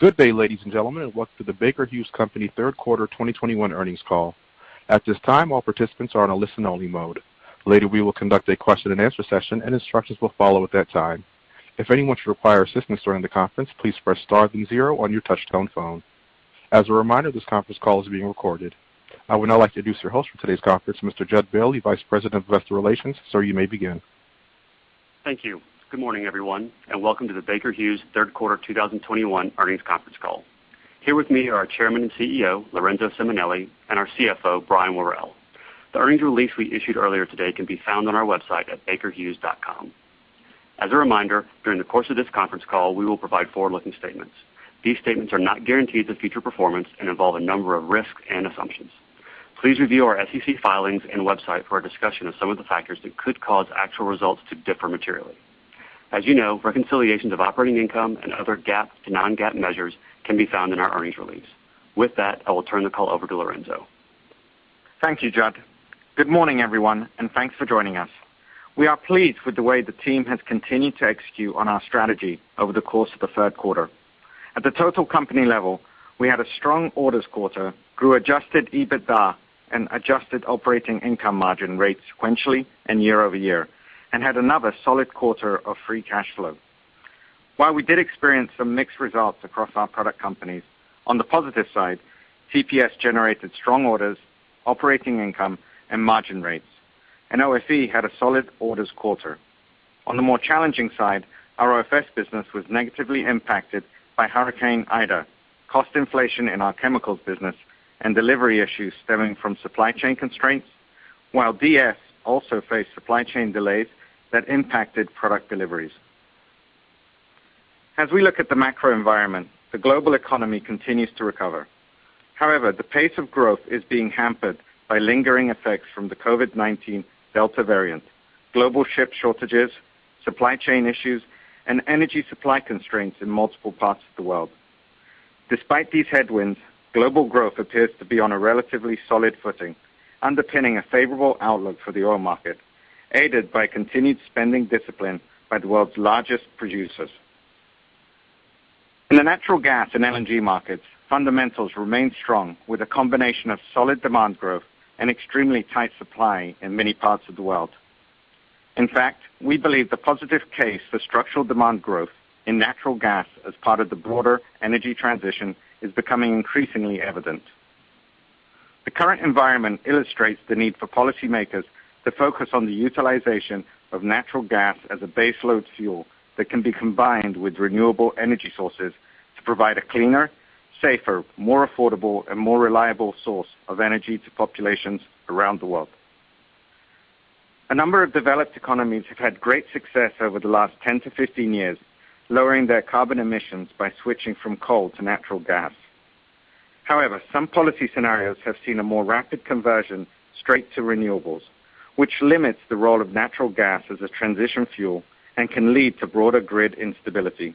Good day, ladies and gentlemen, welcome to the Baker Hughes Company Third Quarter 2021 Earnings Call. At this time, all participants are on a listen only mode. Later, we will conduct a question and answer session and instructions will follow at that time. If anyone should require assistance during the conference, please press star then zero on your touch-tone phone. As a reminder, this conference call is being recorded. I would now like to introduce your host for today's conference, Mr. Jud Bailey, the Vice President of Investor Relations. Sir, you may begin. Thank you. Good morning, everyone, and welcome to the Baker Hughes Third Quarter 2021 Earnings Conference Call. Here with me are our Chairman and CEO, Lorenzo Simonelli, and our CFO, Brian Worrell. The earnings release we issued earlier today can be found on our website at bakerhughes.com. As a reminder, during the course of this conference call, we will provide forward-looking statements. These statements are not guarantees of future performance and involve a number of risks and assumptions. Please review our SEC filings and website for a discussion of some of the factors that could cause actual results to differ materially. As you know, reconciliations of operating income and other GAAP to non-GAAP measures can be found in our earnings release. With that, I will turn the call over to Lorenzo. Thank you, Jud. Good morning, everyone, and thanks for joining us. We are pleased with the way the team has continued to execute on our strategy over the course of the third quarter. At the total company level, we had a strong orders quarter, grew Adjusted EBITDA and adjusted operating income margin rates sequentially and year-over-year, and had another solid quarter of free cash flow. While we did experience some mixed results across our product companies, on the positive side, TPS generated strong orders, operating income, and margin rates, and OFE had a solid orders quarter. On the more challenging side, our OFS business was negatively impacted by Hurricane Ida, cost inflation in our chemicals business, and delivery issues stemming from supply chain constraints, while DS also faced supply chain delays that impacted product deliveries. As we look at the macroenvironment, the global economy continues to recover. However, the pace of growth is being hampered by lingering effects from the COVID-19 Delta variant, global ship shortages, supply chain issues, and energy supply constraints in multiple parts of the world. Despite these headwinds, global growth appears to be on a relatively solid footing, underpinning a favorable outlook for the oil market, aided by continued spending discipline by the world's largest producers. In the natural gas and LNG markets, fundamentals remain strong with a combination of solid demand growth and extremely tight supply in many parts of the world. In fact, we believe the positive case for structural demand growth in natural gas as part of the broader energy transition is becoming increasingly evident. The current environment illustrates the need for policymakers to focus on the utilization of natural gas as a baseload fuel that can be combined with renewable energy sources to provide a cleaner, safer, more affordable, and more reliable source of energy to populations around the world. A number of developed economies have had great success over the last 10 to 15 years, lowering their carbon emissions by switching from coal to natural gas. However, some policy scenarios have seen a more rapid conversion straight to renewables, which limits the role of natural gas as a transition fuel and can lead to broader grid instability.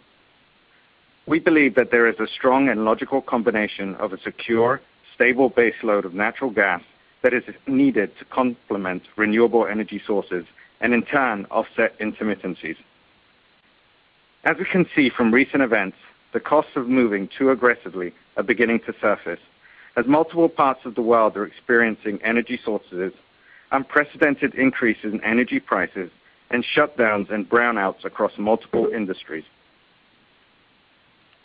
We believe that there is a strong and logical combination of a secure, stable baseload of natural gas that is needed to complement renewable energy sources, and in turn, offset intermittencies. As we can see from recent events, the costs of moving too aggressively are beginning to surface as multiple parts of the world are experiencing energy shortages, unprecedented increases in energy prices, and shutdowns and brownouts across multiple industries.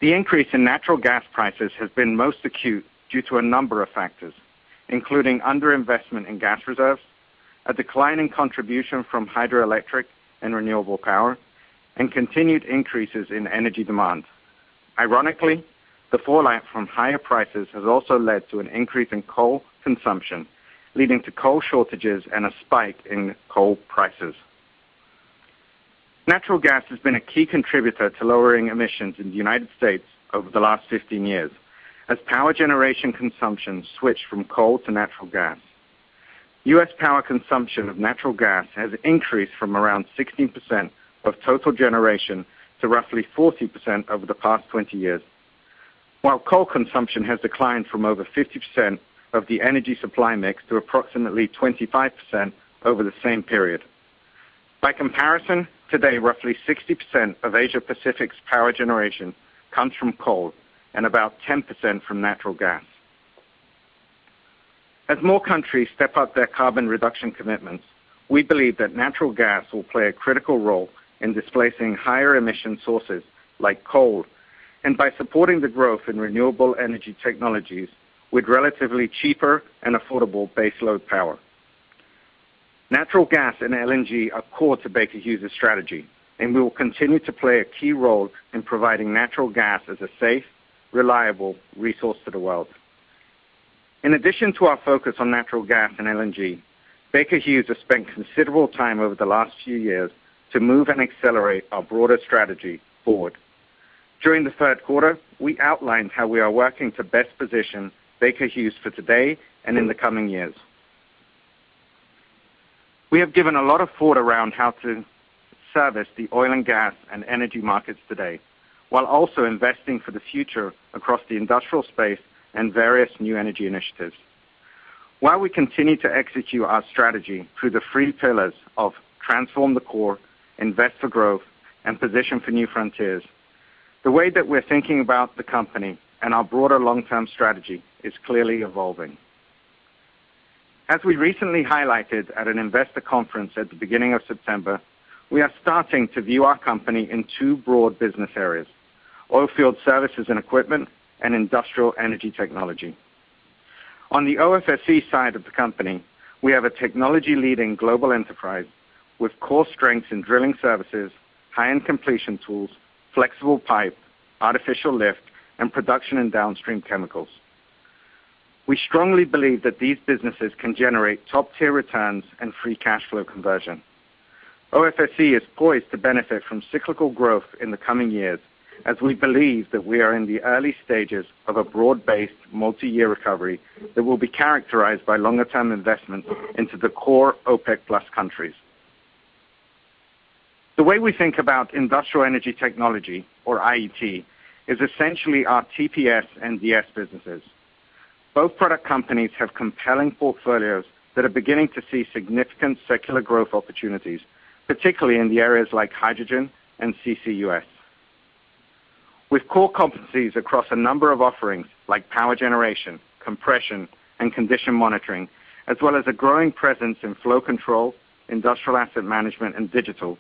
The increase in natural gas prices has been most acute due to a number of factors, including under-investment in gas reserves, a decline in contribution from hydroelectric and renewable power, and continued increases in energy demand. Ironically, the fallout from higher prices has also led to an increase in coal consumption, leading to coal shortages and a spike in coal prices. Natural gas has been a key contributor to lowering emissions in the United States over the last 15 years, as power generation consumption switched from coal to natural gas. U.S. power consumption of natural gas has increased from around 16% of total generation to roughly 40% over the past 20 years, while coal consumption has declined from over 50% of the energy supply mix to approximately 25% over the same period. By comparison, today, roughly 60% of Asia-Pacific's power generation comes from coal and about 10% from natural gas. As more countries step up their carbon reduction commitments, we believe that natural gas will play a critical role in displacing higher emission sources like coal and by supporting the growth in renewable energy technologies with relatively cheaper and affordable baseload power. Natural gas and LNG are core to Baker Hughes' strategy, and we will continue to play a key role in providing natural gas as a safe, reliable resource to the world. In addition to our focus on natural gas and LNG, Baker Hughes has spent considerable time over the last few years to move and accelerate our broader strategy forward. During the third quarter, we outlined how we are working to best position Baker Hughes for today and in the coming years. We have given a lot of thought around how to service the oil and gas and energy markets today, while also investing for the future across the industrial space and various new energy initiatives. While we continue to execute our strategy through the three pillars of Transform the Core, Invest for Growth, and Position for New Frontiers, the way that we're thinking about the company and our broader long-term strategy is clearly evolving. As we recently highlighted at an investor conference at the beginning of September, we are starting to view our company in two broad business areas, Oilfield Services & Equipment, and Industrial Energy Technology. On the OFSE side of the company, we have a technology-leading global enterprise with core strengths in drilling services, high-end completion tools, flexible pipe, artificial lift, and production in downstream chemicals. We strongly believe that these businesses can generate top-tier returns and free cash flow conversion. OFSE is poised to benefit from cyclical growth in the coming years as we believe that we are in the early stages of a broad-based multi-year recovery that will be characterized by longer term investment into the core OPEC+ countries. The way we think about Industrial Energy Technology or IET, is essentially our TPS and DS businesses. Both product companies have compelling portfolios that are beginning to see significant secular growth opportunities, particularly in the areas like hydrogen and CCUS. With core competencies across a number of offerings like power generation, compression, and condition monitoring, as well as a growing presence in flow control, industrial asset management, and digital,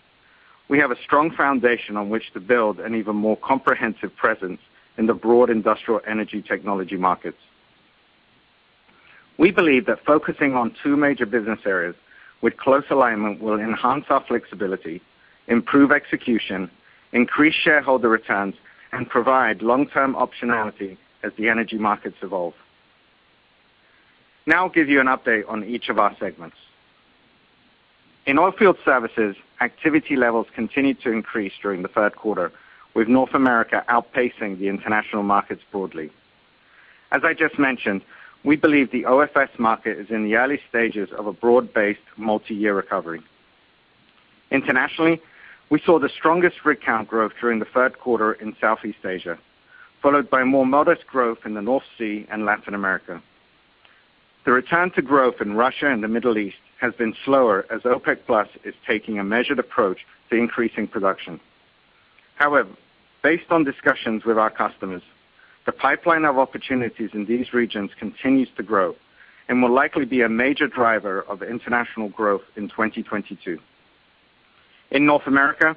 we have a strong foundation on which to build an even more comprehensive presence in the broad industrial energy technology markets. We believe that focusing on two major business areas with close alignment will enhance our flexibility, improve execution, increase shareholder returns, and provide long-term optionality as the energy markets evolve. I'll give you an update on each of our segments. In Oilfield Services, activity levels continued to increase during the third quarter, with North America outpacing the international markets broadly. As I just mentioned, we believe the OFS market is in the early stages of a broad-based multi-year recovery. Internationally, we saw the strongest rig count growth during the third quarter in Southeast Asia, followed by more modest growth in the North Sea and Latin America. The return to growth in Russia and the Middle East has been slower as OPEC+ is taking a measured approach to increasing production. However, based on discussions with our customers, the pipeline of opportunities in these regions continues to grow and will likely be a major driver of international growth in 2022. In North America,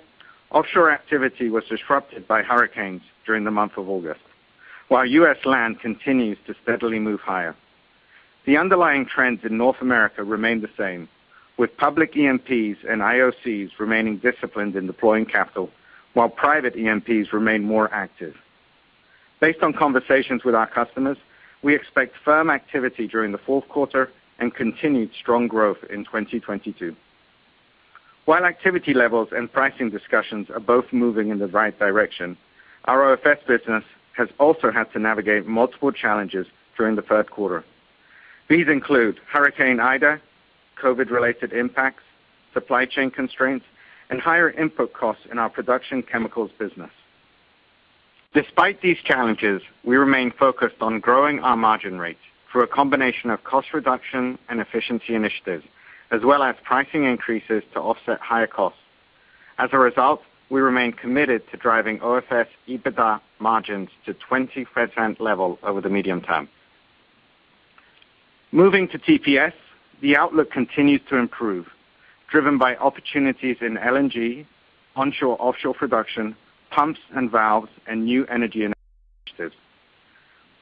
offshore activity was disrupted by hurricanes during the month of August. While U.S. land continues to steadily move higher. The underlying trends in North America remain the same, with public E&Ps and IOCs remaining disciplined in deploying capital, while private E&Ps remain more active. Based on conversations with our customers, we expect firm activity during the fourth quarter and continued strong growth in 2022. While activity levels and pricing discussions are both moving in the right direction, our OFS business has also had to navigate multiple challenges during the third quarter. These include Hurricane Ida, COVID-related impacts, supply chain constraints, and higher input costs in our production chemicals business. Despite these challenges, we remain focused on growing our margin rates through a combination of cost reduction and efficiency initiatives, as well as pricing increases to offset higher costs. As a result, we remain committed to driving OFS EBITDA margins to 20% level over the medium term. Moving to TPS, the outlook continues to improve, driven by opportunities in LNG, onshore-offshore production, pumps and valves, and new energy initiatives.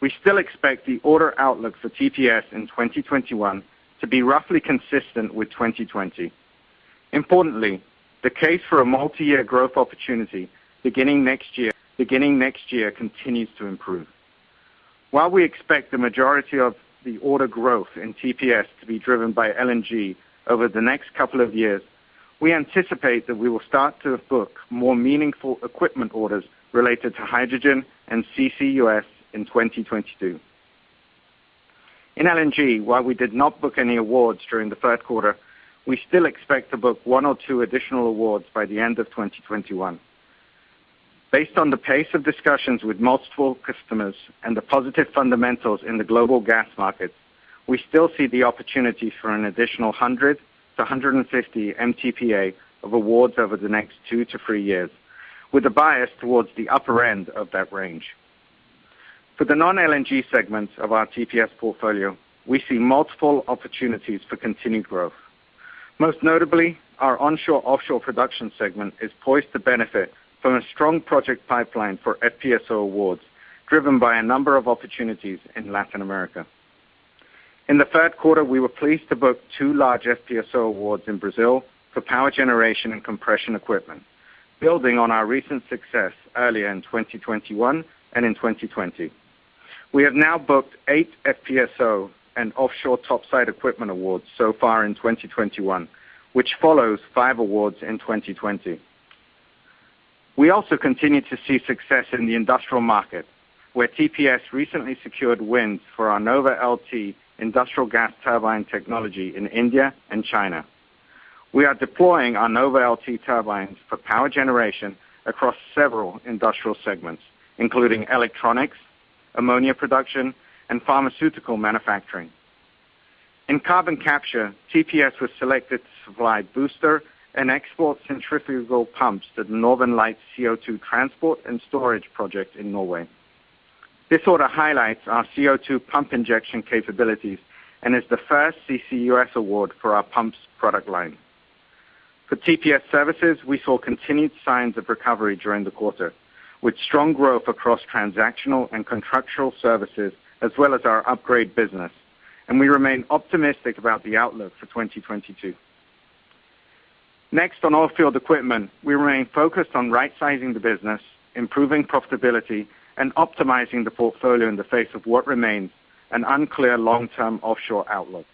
We still expect the order outlook for TPS in 2021 to be roughly consistent with 2020. Importantly, the case for a multi-year growth opportunity beginning next year continues to improve. While we expect the majority of the order growth in TPS to be driven by LNG over the next couple of years, we anticipate that we will start to book more meaningful equipment orders related to hydrogen and CCUS in 2022. In LNG, while we did not book any awards during the third quarter, we still expect to book one or two additional awards by the end of 2021. Based on the pace of discussions with multiple customers and the positive fundamentals in the global gas markets, we still see the opportunities for an additional 100-150 MTPA of awards over the next two to three years, with a bias towards the upper end of that range. For the non-LNG segments of our TPS portfolio, we see multiple opportunities for continued growth. Most notably, our onshore-offshore production segment is poised to benefit from a strong project pipeline for FPSO awards, driven by a number of opportunities in Latin America. In the third quarter, we were pleased to book two large FPSO awards in Brazil for power generation and compression equipment, building on our recent success earlier in 2021 and in 2020. We have now booked eight FPSO and offshore topside equipment awards so far in 2021, which follows five awards in 2020. We also continue to see success in the industrial market, where TPS recently secured wins for our NovaLT industrial gas turbine technology in India and China. We are deploying our NovaLT turbines for power generation across several industrial segments, including electronics, ammonia production, and pharmaceutical manufacturing. In carbon capture, TPS was selected to supply booster and export centrifugal pumps to the Northern Lights CO2 transport and storage project in Norway. This order highlights our CO2 pump injection capabilities and is the first CCUS award for our pumps product line. For TPS services, we saw continued signs of recovery during the quarter, with strong growth across transactional and contractual services, as well as our upgrade business, and we remain optimistic about the outlook for 2022. Next on Oilfield Equipment, we remain focused on right-sizing the business, improving profitability, and optimizing the portfolio in the face of what remains an unclear long-term offshore outlook.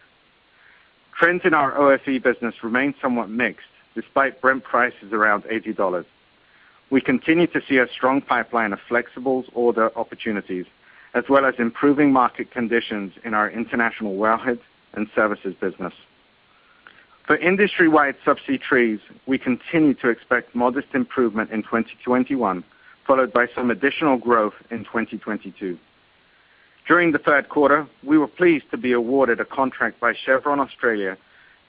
Trends in our OFE business remain somewhat mixed, despite Brent prices around $80. We continue to see a strong pipeline of flexibles order opportunities, as well as improving market conditions in our international wellheads and services business. For industry-wide subsea trees, we continue to expect modest improvement in 2021, followed by some additional growth in 2022. During the third quarter, we were pleased to be awarded a contract by Chevron Australia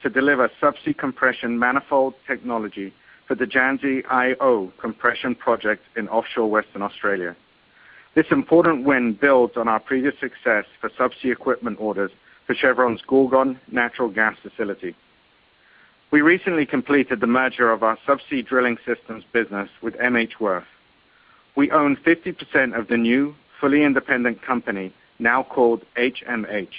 to deliver subsea compression manifold technology for the Jansz-Io Compression Project in offshore Western Australia. This important win builds on our previous success for subsea equipment orders for Chevron's Gorgon natural gas facility. We recently completed the merger of our subsea drilling systems business with MHWirth. We own 50% of the new, fully independent company, now called HMH.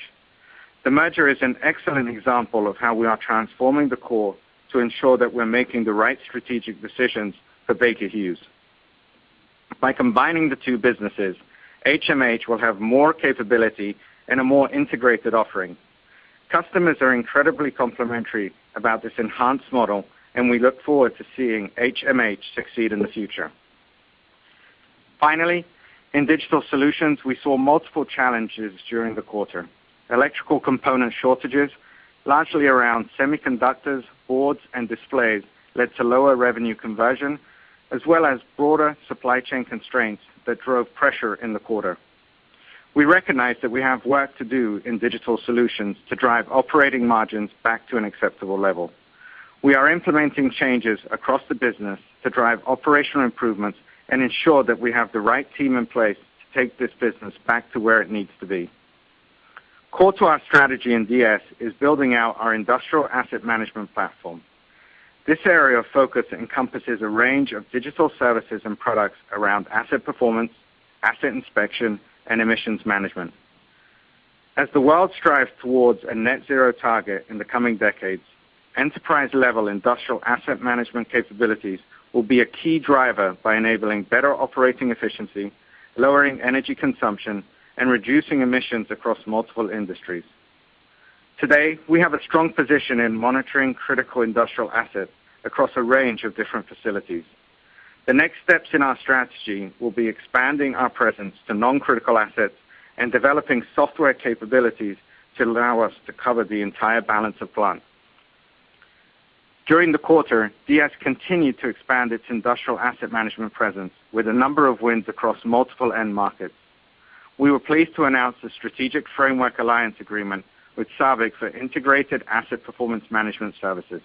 The merger is an excellent example of how we are transforming the core to ensure that we're making the right strategic decisions for Baker Hughes. By combining the two businesses, HMH will have more capability and a more integrated offering. Customers are incredibly complimentary about this enhanced model, and we look forward to seeing HMH succeed in the future. Finally, in Digital Solutions, we saw multiple challenges during the quarter. Electrical component shortages, largely around semiconductors, boards, and displays, led to lower revenue conversion, as well as broader supply chain constraints that drove pressure in the quarter. We recognize that we have work to do in Digital Solutions to drive operating margins back to an acceptable level. We are implementing changes across the business to drive operational improvements and ensure that we have the right team in place to take this business back to where it needs to be. Core to our strategy in DS is building out our industrial asset management platform. This area of focus encompasses a range of digital services and products around asset performance, asset inspection, and emissions management. As the world strives towards a net zero target in the coming decades, enterprise-level industrial asset management capabilities will be a key driver by enabling better operating efficiency, lowering energy consumption, and reducing emissions across multiple industries. Today, we have a strong position in monitoring critical industrial assets across a range of different facilities. The next steps in our strategy will be expanding our presence to non-critical assets and developing software capabilities to allow us to cover the entire balance of plant. During the quarter, DS continued to expand its industrial asset management presence with a number of wins across multiple end markets. We were pleased to announce a strategic framework alliance agreement with SABIC for integrated asset performance management services.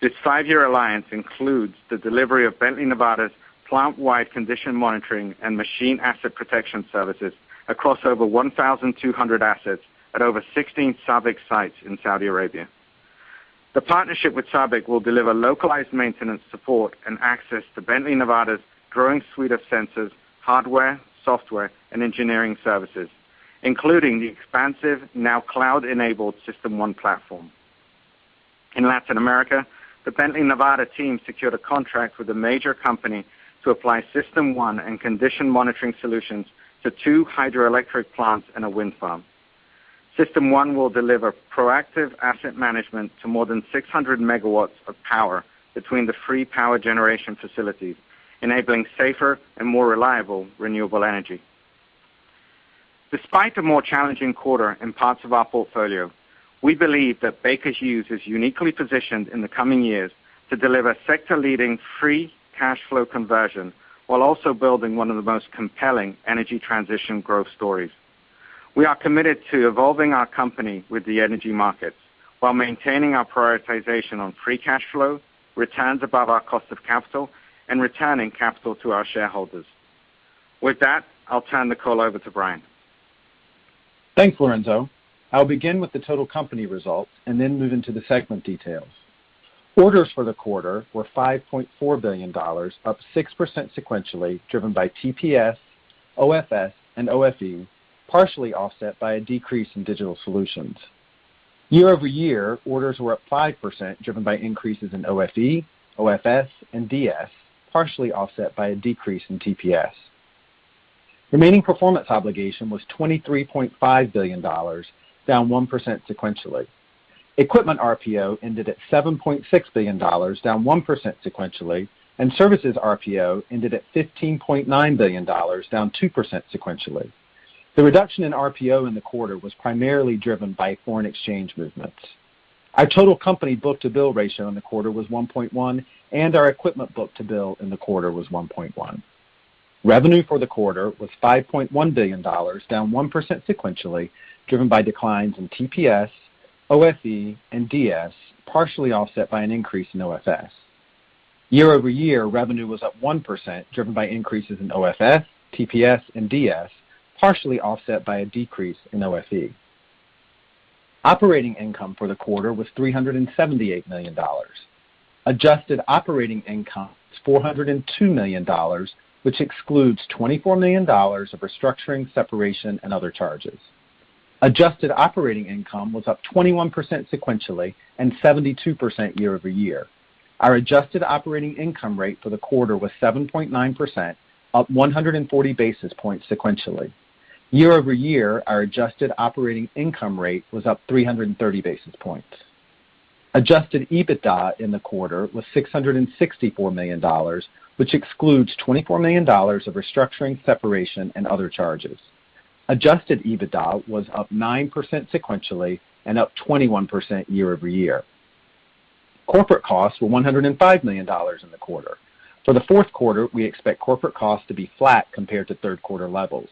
This five-year alliance includes the delivery of Bently Nevada's plant-wide condition monitoring and machine asset protection services across over 1,200 assets at over 16 SABIC sites in Saudi Arabia. The partnership with SABIC will deliver localized maintenance support and access to Bently Nevada's growing suite of sensors, hardware, software, and engineering services, including the expansive, now cloud-enabled System 1 platform. In Latin America, the Bently Nevada team secured a contract with a major company to apply System 1 and condition monitoring solutions to two hydroelectric plants and a wind farm. System 1 will deliver proactive asset management to more than 600 MW of power between the three power generation facilities, enabling safer and more reliable renewable energy. Despite a more challenging quarter in parts of our portfolio, we believe that Baker Hughes is uniquely positioned in the coming years to deliver sector leading free cash flow conversion while also building one of the most compelling energy transition growth stories. We are committed to evolving our company with the energy markets while maintaining our prioritization on free cash flow, returns above our cost of capital, and returning capital to our shareholders. With that, I'll turn the call over to Brian. Thanks, Lorenzo. I'll begin with the total company results and then move into the segment details. Orders for the quarter were $5.4 billion, up 6% sequentially, driven by TPS, OFS, and OFE, partially offset by a decrease in Digital Solutions. Year-over-year, orders were up 5%, driven by increases in OFE, OFS, and DS, partially offset by a decrease in TPS. Remaining performance obligation was $23.5 billion, down 1% sequentially. Equipment RPO ended at $7.6 billion, down 1% sequentially. Services RPO ended at $15.9 billion, down 2% sequentially. The reduction in RPO in the quarter was primarily driven by foreign exchange movements. Our total company book-to-bill ratio in the quarter was 1.1. Our equipment book-to-bill in the quarter was 1.1. Revenue for the quarter was $5.1 billion, down 1% sequentially, driven by declines in TPS, OFE, and DS, partially offset by an increase in OFS. Year-over-year, revenue was up 1%, driven by increases in OFS, TPS, and DS, partially offset by a decrease in OFE. Operating income for the quarter was $378 million. Adjusted operating income was $402 million, which excludes $24 million of restructuring, separation, and other charges. Adjusted operating income was up 21% sequentially and 72% year-over-year. Our adjusted operating income rate for the quarter was 7.9%, up 140 basis points sequentially. Year-over-year, our adjusted operating income rate was up 330 basis points. Adjusted EBITDA in the quarter was $664 million, which excludes $24 million of restructuring, separation, and other charges. Adjusted EBITDA was up 9% sequentially and up 21% year-over-year. Corporate costs were $105 million in the quarter. For the fourth quarter, we expect corporate costs to be flat compared to third quarter levels.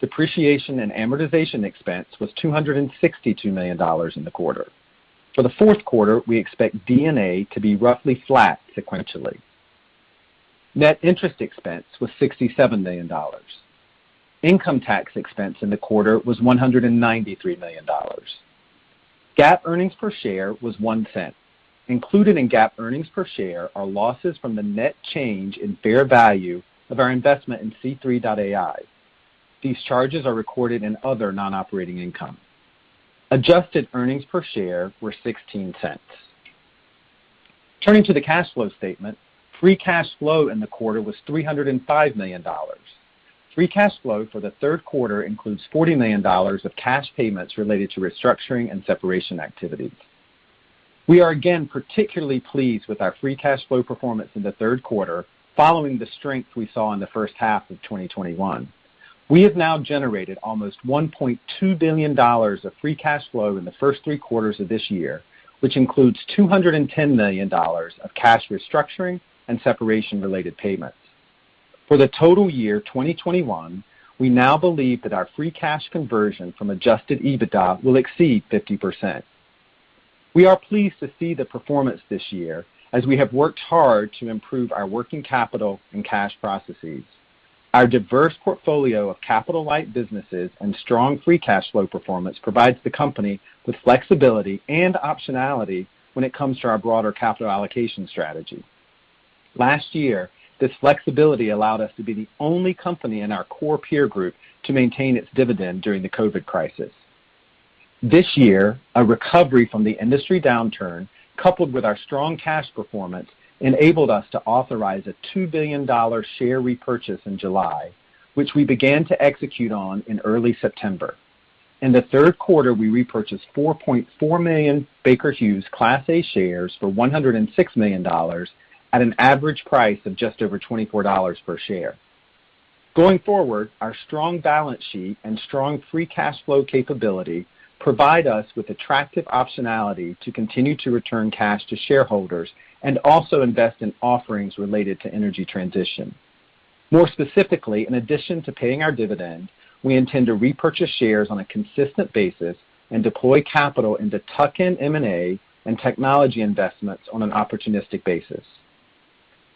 Depreciation and amortization expense was $262 million in the quarter. For the fourth quarter, we expect D&A to be roughly flat sequentially. Net interest expense was $67 million. Income tax expense in the quarter was $193 million. GAAP earnings per share was $0.01. Included in GAAP earnings per share are losses from the net change in fair value of our investment in C3.ai. These charges are recorded in other non-operating income. Adjusted earnings per share were $0.16. Turning to the cash flow statement, free cash flow in the quarter was $305 million. Free cash flow for the third quarter includes $40 million of cash payments related to restructuring and separation activities. We are again particularly pleased with our free cash flow performance in the third quarter following the strength we saw in the first half of 2021. We have now generated almost $1.2 billion of free cash flow in the first three quarters of this year, which includes $210 million of cash restructuring and separation related payments. For the total year 2021, we now believe that our free cash conversion from Adjusted EBITDA will exceed 50%. We are pleased to see the performance this year as we have worked hard to improve our working capital and cash processes. Our diverse portfolio of capital-light businesses and strong free cash flow performance provides the company with flexibility and optionality when it comes to our broader capital allocation strategy. Last year, this flexibility allowed us to be the only company in our core peer group to maintain its dividend during the COVID-19 crisis. This year, a recovery from the industry downturn, coupled with our strong cash performance, enabled us to authorize a $2 billion share repurchase in July, which we began to execute on in early September. In the third quarter, we repurchased 4.4 million Baker Hughes Class A shares for $106 million at an average price of just over $24 per share. Going forward, our strong balance sheet and strong free cash flow capability provide us with attractive optionality to continue to return cash to shareholders and also invest in offerings related to energy transition. More specifically, in addition to paying our dividend, we intend to repurchase shares on a consistent basis and deploy capital into tuck-in M&A and technology investments on an opportunistic basis.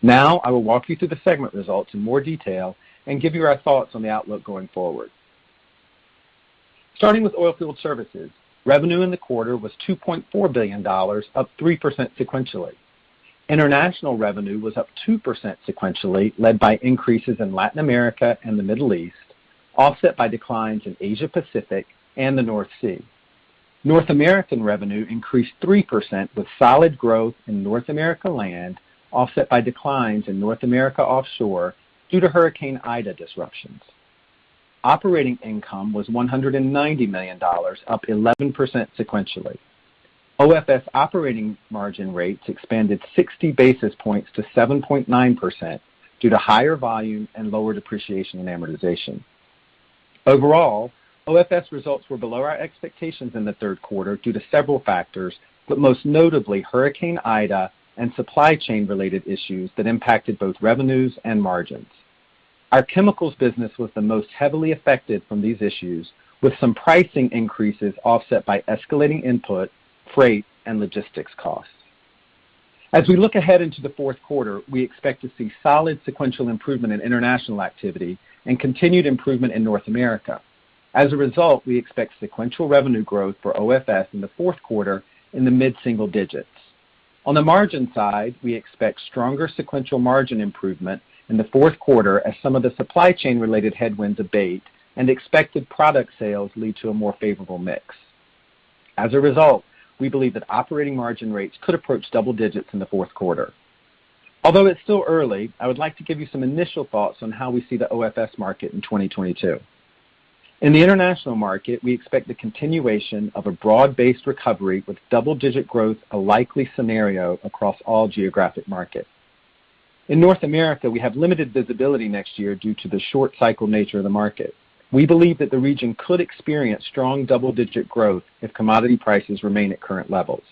Now, I will walk you through the segment results in more detail and give you our thoughts on the outlook going forward. Starting with Oilfield Services, revenue in the quarter was $2.4 billion, up 3% sequentially. International revenue was up 2% sequentially, led by increases in Latin America and the Middle East, offset by declines in Asia Pacific and the North Sea. North American revenue increased 3% with solid growth in North America land offset by declines in North America offshore due to Hurricane Ida disruptions. Operating income was $190 million, up 11% sequentially. OFS operating margin rates expanded 60 basis points to 7.9% due to higher volume and lower depreciation and amortization. Overall, OFS results were below our expectations in the third quarter due to several factors, but most notably, Hurricane Ida and supply chain related issues that impacted both revenues and margins. Our chemicals business was the most heavily affected from these issues, with some pricing increases offset by escalating input, freight, and logistics costs. As we look ahead into the fourth quarter, we expect to see solid sequential improvement in international activity and continued improvement in North America. As a result, we expect sequential revenue growth for OFS in the fourth quarter in the mid-single digits. On the margin side, we expect stronger sequential margin improvement in the fourth quarter as some of the supply chain related headwinds abate and expected product sales lead to a more favorable mix. As a result, we believe that operating margin rates could approach double digits in the fourth quarter. Although it's still early, I would like to give you some initial thoughts on how we see the OFS market in 2022. In the international market, we expect the continuation of a broad-based recovery with double-digit growth, a likely scenario across all geographic markets. In North America, we have limited visibility next year due to the short cycle nature of the market. We believe that the region could experience strong double-digit growth if commodity prices remain at current levels.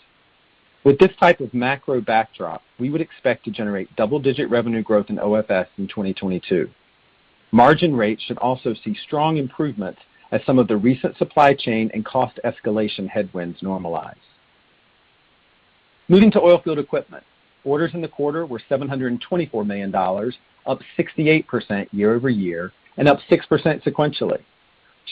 With this type of macro backdrop, we would expect to generate double-digit revenue growth in OFS in 2022. Margin rates should also see strong improvements as some of the recent supply chain and cost escalation headwinds normalize. Moving to Oilfield Equipment. Orders in the quarter were $724 million, up 68% year-over-year and up 6% sequentially.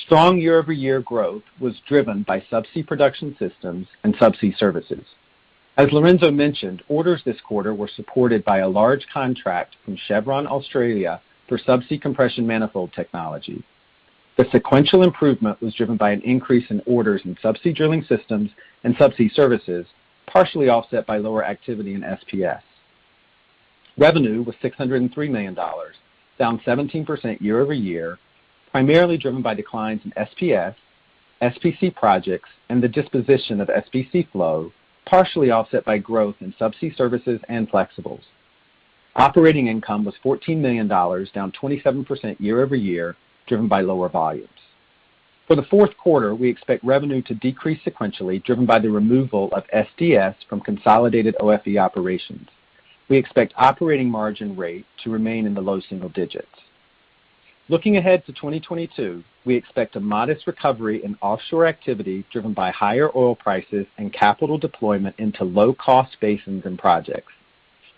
Strong year-over-year growth was driven by Subsea Production Systems and subsea services. As Lorenzo mentioned, orders this quarter were supported by a large contract from Chevron Australia for subsea compression manifold technology. The sequential improvement was driven by an increase in orders in subsea drilling systems and subsea services, partially offset by lower activity in SPS. Revenue was $603 million, down 17% year-over-year, primarily driven by declines in SPS projects, and the disposition of SPC Flow, partially offset by growth in subsea services, and flexibles. Operating income was $14 million, down 27% year-over-year, driven by lower volumes. For the fourth quarter, we expect revenue to decrease sequentially, driven by the removal of SDS from consolidated OFE operations. We expect operating margin rate to remain in the low single digits. Looking ahead to 2022, we expect a modest recovery in offshore activity driven by higher oil prices and capital deployment into low-cost basins and projects.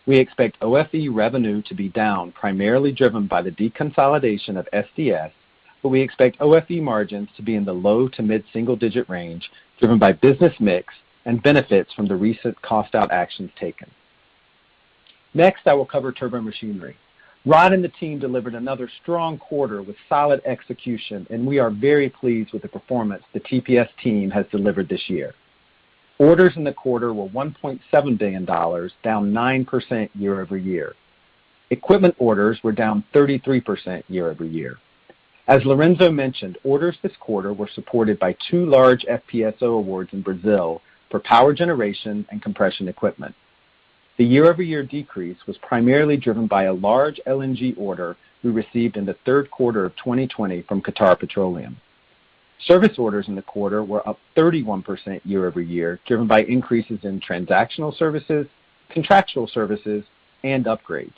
We expect OFE revenue to be down, primarily driven by the deconsolidation of SDS, but we expect OFE margins to be in the low to mid-single digit range, driven by business mix and benefits from the recent cost-out actions taken. Next, I will cover Turbomachinery. Ron and the team delivered another strong quarter with solid execution, and we are very pleased with the performance the TPS team has delivered this year. Orders in the quarter were $1.7 billion, down 9% year-over-year. Equipment orders were down 33% year-over-year. As Lorenzo mentioned, orders this quarter were supported by two large FPSO awards in Brazil for power generation and compression equipment. The year-over-year decrease was primarily driven by a large LNG order we received in the third quarter of 2020 from Qatar Petroleum. Service orders in the quarter were up 31% year-over-year, driven by increases in transactional services, contractual services, and upgrades.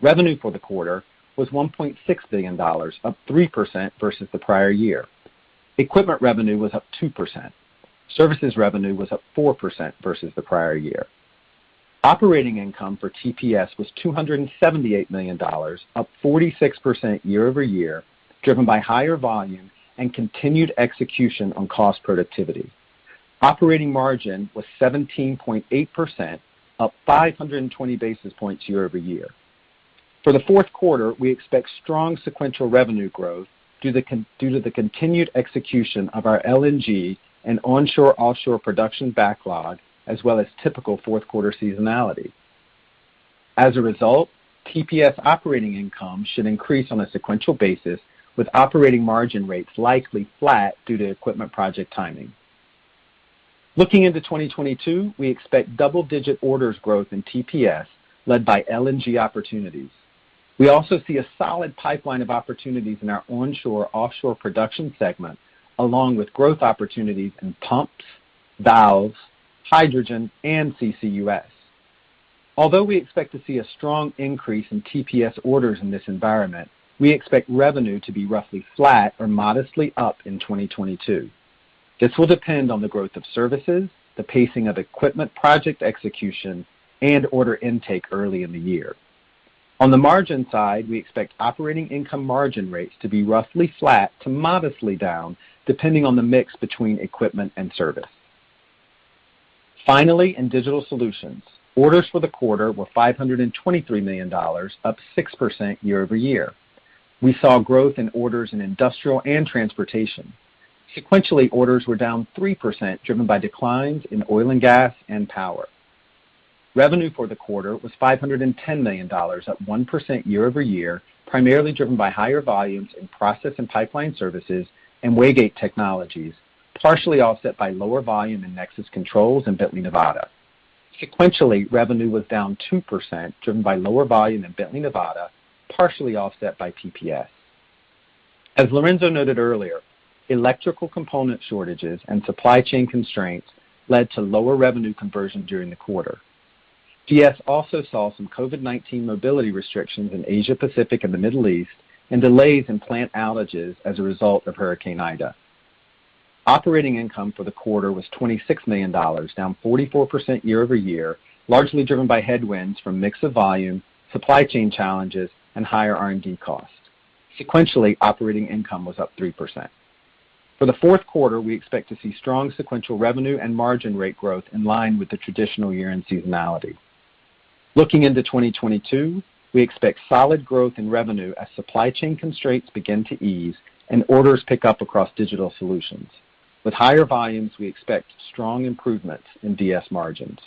Revenue for the quarter was $1.6 billion, up 3% versus the prior year. Equipment revenue was up 2%. Services revenue was up 4% versus the prior year. Operating income for TPS was $278 million, up 46% year-over-year, driven by higher volume and continued execution on cost productivity. Operating margin was 17.8%, up 520 basis points year-over-year. For the fourth quarter, we expect strong sequential revenue growth due to the continued execution of our LNG and onshore/offshore production backlog, as well as typical fourth quarter seasonality. As a result, TPS operating income should increase on a sequential basis, with operating margin rates likely flat due to equipment project timing. Looking into 2022, we expect double-digit orders growth in TPS, led by LNG opportunities. We also see a solid pipeline of opportunities in our onshore/offshore production segment, along with growth opportunities in pumps, valves, hydrogen, and CCUS. Although we expect to see a strong increase in TPS orders in this environment, we expect revenue to be roughly flat or modestly up in 2022. This will depend on the growth of services, the pacing of equipment project execution, and order intake early in the year. On the margin side, we expect operating income margin rates to be roughly flat to modestly down, depending on the mix between equipment and service. Finally, in Digital Solutions, orders for the quarter were $523 million, up 6% year-over-year. We saw growth in orders in industrial and transportation. Sequentially, orders were down 3%, driven by declines in oil and gas and power. Revenue for the quarter was $510 million, up 1% year-over-year, primarily driven by higher volumes in Process and Pipeline Services and Waygate Technologies, partially offset by lower volume in Nexus Controls and Bently Nevada. Sequentially, revenue was down 2%, driven by lower volume in Bently Nevada, partially offset by TPS. As Lorenzo noted earlier, electrical component shortages and supply chain constraints led to lower revenue conversion during the quarter. DS also saw some COVID-19 mobility restrictions in Asia-Pacific and the Middle East and delays in plant outages as a result of Hurricane Ida. Operating income for the quarter was $26 million, down 44% year-over-year, largely driven by headwinds from mix of volume, supply chain challenges, and higher R&D costs. Sequentially, operating income was up 3%. For the fourth quarter, we expect to see strong sequential revenue and margin rate growth in line with the traditional year-end seasonality. Looking into 2022, we expect solid growth in revenue as supply chain constraints begin to ease and orders pick up across Digital Solutions. With higher volumes, we expect strong improvements in DS margins.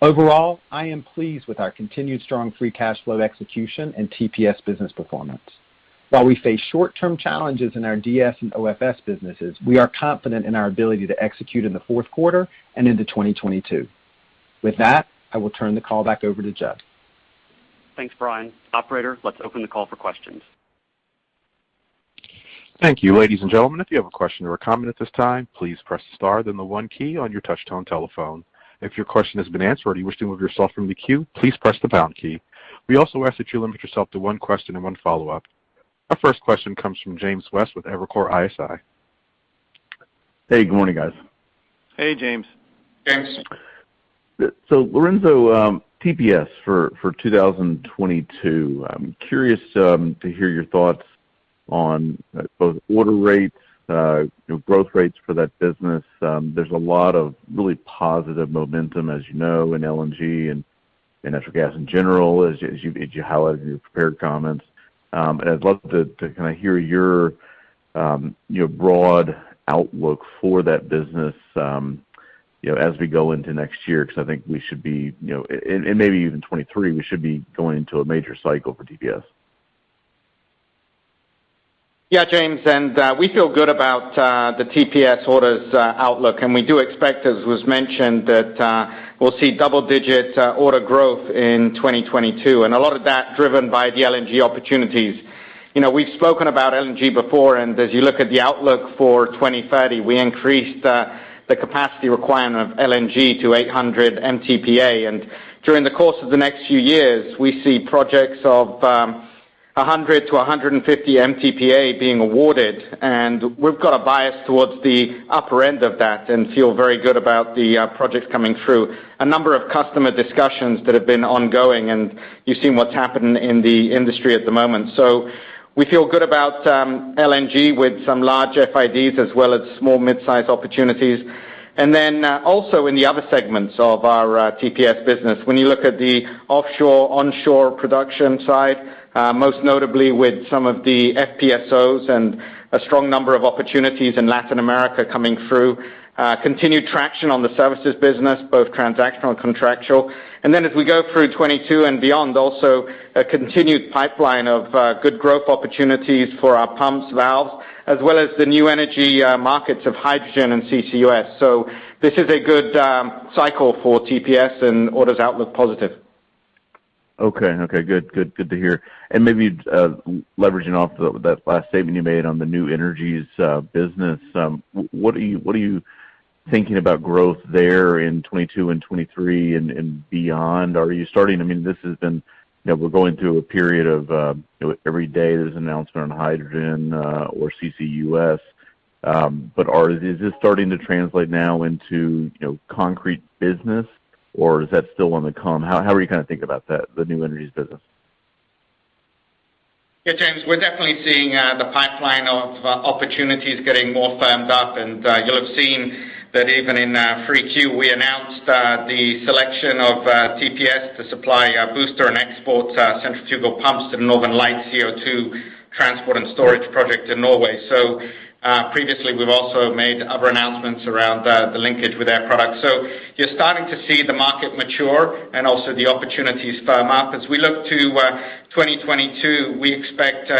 Overall, I am pleased with our continued strong free cash flow execution and TPS business performance. While we face short-term challenges in our DS and OFS businesses, we are confident in our ability to execute in the fourth quarter and into 2022. With that, I will turn the call back over to Jud. Thanks, Brian. Operator, let's open the call for questions. Thank you. Ladies and gentlemen, if you have a question or a comment at this time, please press star then one key on your touch-tone telephone. If your question has been answered and you wish to remove yourself from the queue, please press the pound key. We also ask that you limit yourself to one question and one follow-up. Our first question comes from James West with Evercore ISI. Hey, good morning, guys. Hey, James. James. Lorenzo, TPS for 2022, I'm curious to hear your thoughts on both order rates, growth rates for that business. There's a lot of really positive momentum, as you know, in LNG and natural gas in general, as you highlighted in your prepared comments. I'd love to kind of hear your broad outlook for that business as we go into next year, and maybe even 2023, we should be going into a major cycle for TPS. Yeah, James, we feel good about the TPS orders outlook. We do expect, as was mentioned, that we'll see double-digit order growth in 2022, and a lot of that driven by the LNG opportunities. We've spoken about LNG before, and as you look at the outlook for 2030, we increased the capacity requirement of LNG to 800 MTPA. During the course of the next few years, we see projects of 100 to 150 MTPA being awarded, and we've got a bias towards the upper end of that and feel very good about the projects coming through. A number of customer discussions that have been ongoing, and you've seen what's happened in the industry at the moment. We feel good about LNG with some large FIDs as well as small mid-size opportunities. Then also in the other segments of our TPS business, when you look at the offshore-onshore production side, most notably with some of the FPSOs and a strong number of opportunities in Latin America coming through. Continued traction on the services business, both transactional and contractual. Then as we go through 2022 and beyond, also a continued pipeline of good growth opportunities for our pumps, valves, as well as the new energy markets of hydrogen and CCUS. This is a good cycle for TPS and orders outlook positive. Okay. Good to hear. Maybe leveraging off of that last statement you made on the New Energies business, what are you thinking about growth there in 2022 and 2023 and beyond? We're going through a period of every day there's an announcement on hydrogen or CCUS, but is this starting to translate now into concrete business, or is that still on the come? How are you kind of thinking about that, the New Energies business? Yeah, James, we're definitely seeing the pipeline of opportunities getting more firmed up. You'll have seen that even in 3Q, we announced the selection of TPS to supply booster and export centrifugal pumps to the Northern Lights CO2 transport and storage project in Norway. Previously, we've also made other announcements around the linkage with our product. You're starting to see the market mature and also the opportunities firm up. As we look to 2022, we expect to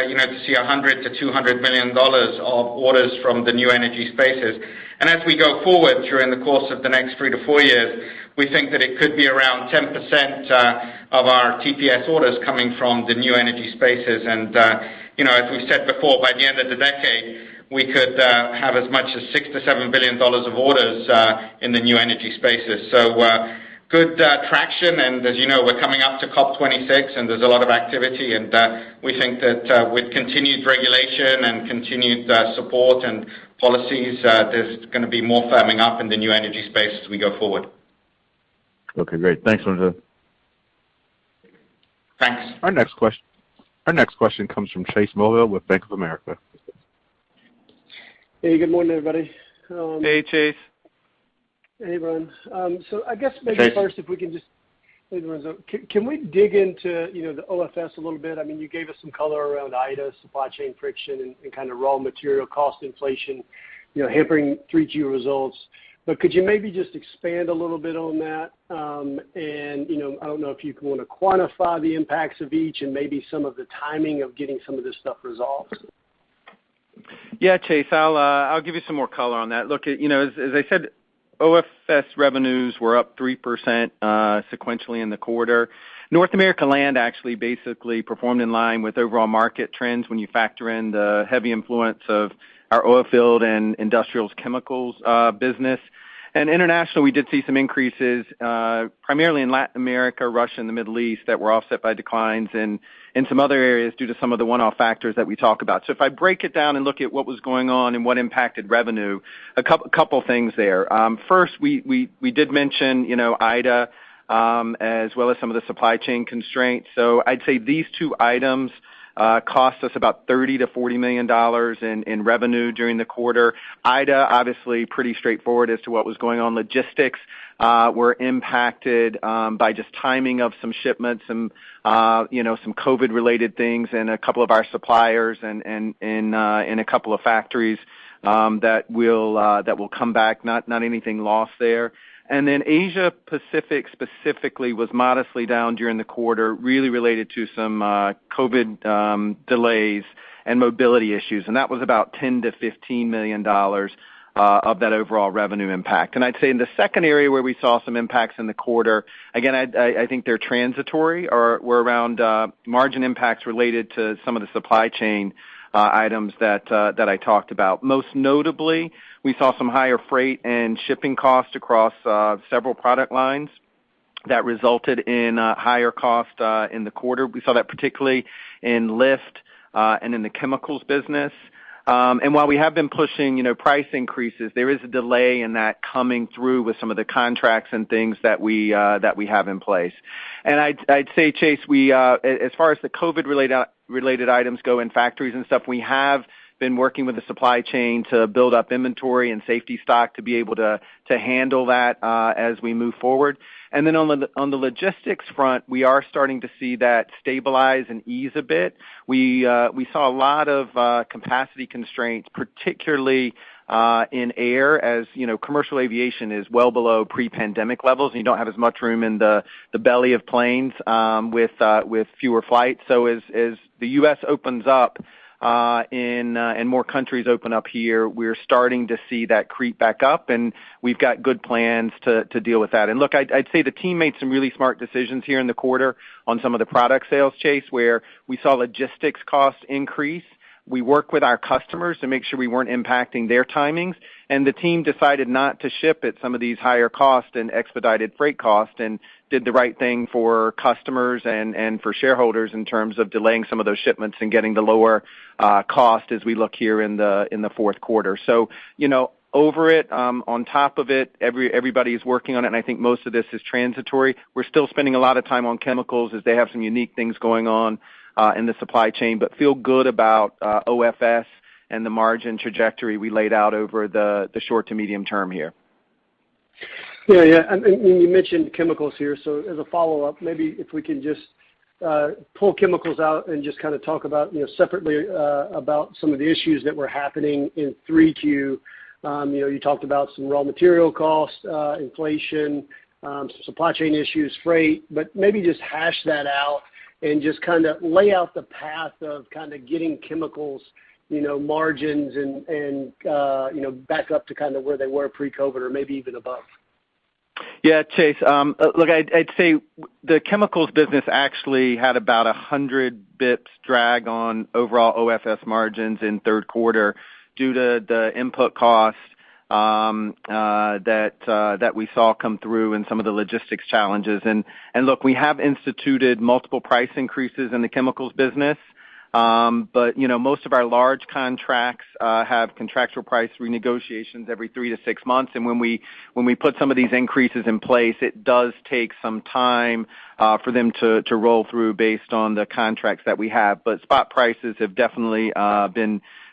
see $100 million-200 million of orders from the new energy spaces. As we go forward during the course of the next three to four years, we think that it could be around 10% of our TPS orders coming from the new energy spaces. As we've said before, by the end of the decade, we could have as much as $6 billion-7 billion of orders in the new energy spaces. Good traction, and as you know, we're coming up to COP 26, and there's a lot of activity. We think that with continued regulation and continued support and policies, there's going to be more firming up in the new energy space as we go forward. Okay, great. Thanks, Lorenzo. Thanks. Our next question comes from Chase Mulvehill with Bank of America. Hey, good morning, everybody. Hey, Chase. Hey, [inaudible] can we dig into the OFS a little bit? You gave us some color around Ida, supply chain friction, and kind of raw material cost inflation hampering 3Q results, but could you maybe just expand a little bit on that? I don't know if you want to quantify the impacts of each and maybe some of the timing of getting some of this stuff resolved. Yeah, Chase. I'll give you some more color on that. Look, as I said, OFS revenues were up 3% sequentially in the quarter. North America Land actually basically performed in line with overall market trends when you factor in the heavy influence of our oilfield and industrials chemicals business. International, we did see some increases, primarily in Latin America, Russia, and the Middle East that were offset by declines in some other areas due to some of the one-off factors that we talk about. If I break it down and look at what was going on and what impacted revenue, a couple things there. First, we did mention Ida as well as some of the supply chain constraints. I'd say these two items cost us about $30 million-40 million in revenue during the quarter. Ida, obviously pretty straightforward as to what was going on. Logistics were impacted by just timing of some shipments and some COVID-19 related things and a couple of our suppliers in a couple of factories that will come back, not anything lost there. Then Asia Pacific specifically was modestly down during the quarter, really related to some COVID delays and mobility issues. That was about $10 million-15 million of that overall revenue impact. I'd say in the second area where we saw some impacts in the quarter, again, I think they're transitory or were around margin impacts related to some of the supply chain items that I talked about. Most notably, we saw some higher freight and shipping costs across several product lines that resulted in higher cost in the quarter. We saw that particularly in lift and in the chemicals business. While we have been pushing price increases, there is a delay in that coming through with some of the contracts and things that we have in place. I'd say, Chase, as far as the COVID-related items go in factories and stuff, we have been working with the supply chain to build up inventory and safety stock to be able to handle that as we move forward. On the logistics front, we are starting to see that stabilize and ease a bit. We saw a lot of capacity constraints, particularly in air. As commercial aviation is well below pre-pandemic levels and you don't have as much room in the belly of planes with fewer flights. As the U.S. opens up and more countries open up here, we're starting to see that creep back up, and we've got good plans to deal with that. I'd say the team made some really smart decisions here in the quarter on some of the product sales, Chase, where we saw logistics costs increase. We worked with our customers to make sure we weren't impacting their timings, and the team decided not to ship at some of these higher costs and expedited freight costs and did the right thing for customers and for shareholders in terms of delaying some of those shipments and getting the lower cost as we look here in the fourth quarter. Over it, on top of it, everybody's working on it, and I think most of this is transitory. We're still spending a lot of time on chemicals as they have some unique things going on in the supply chain, but feel good about OFS and the margin trajectory we laid out over the short to medium term here. Yeah. You mentioned chemicals here, so as a follow-up, maybe if we can just pull chemicals out and just kind of talk about separately about some of the issues that were happening in 3Q. You talked about some raw material costs, inflation, some supply chain issues, freight, but maybe just hash that out and just kind of lay out the path of kind of getting chemicals margins and back up to kind of where they were pre-COVID or maybe even above. Yeah, Chase. Look, I'd say the chemicals business actually had about 100 basis points drag on overall OFS margins in third quarter due to the input costs that we saw come through and some of the logistics challenges. Look, we have instituted multiple price increases in the chemicals business. Most of our large contracts have contractual price renegotiations every three to six months, and when we put some of these increases in place, it does take some time for them to roll through based on the contracts that we have. Spot prices have definitely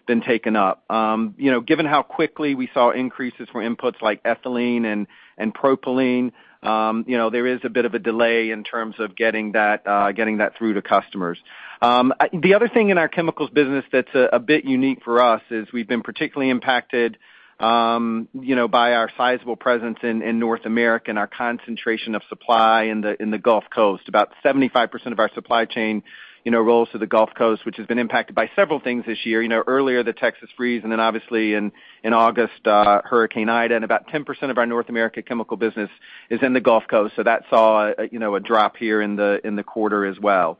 been taken up. Given how quickly we saw increases for inputs like ethylene and propylene, there is a bit of a delay in terms of getting that through to customers. The other thing in our chemicals business that's a bit unique for us is, we've been particularly impacted by our sizable presence in North America and our concentration of supply in the Gulf Coast. About 75% of our supply chain rolls to the Gulf Coast, which has been impacted by several things this year. Earlier, the Texas freeze, obviously in August, Hurricane Ida. About 10% of our North America chemical business is in the Gulf Coast, so that saw a drop here in the quarter as well.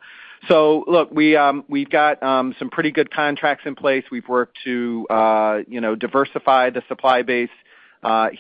We've got some pretty good contracts in place. We've worked to diversify the supply base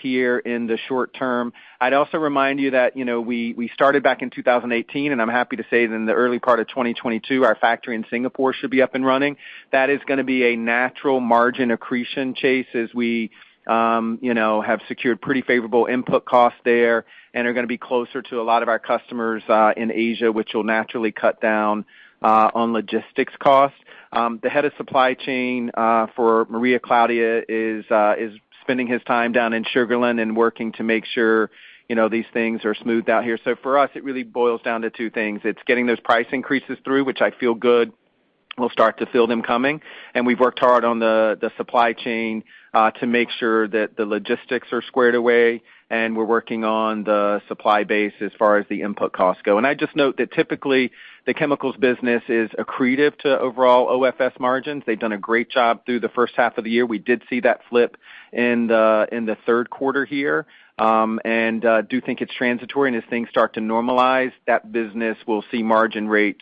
here in the short term. I'd also remind you that we started back in 2018, and I'm happy to say that in the early part of 2022, our factory in Singapore should be up and running. That is going to be a natural margin accretion, Chase, as we have secured pretty favorable input costs there and are going to be closer to a lot of our customers in Asia, which will naturally cut down on logistics costs. The head of supply chain for Maria Claudia is spending his time down in Sugar Land and working to make sure these things are smoothed out here. For us, it really boils down to two things. It's getting those price increases through, which I feel good we'll start to feel them coming, and we've worked hard on the supply chain to make sure that the logistics are squared away, and we're working on the supply base as far as the input costs go. I'd just note that typically, the chemicals business is accretive to overall OFS margins. They've done a great job through the first half of the year. We did see that flip in the third quarter here. Do think it's transitory, and as things start to normalize, that business will see margin rates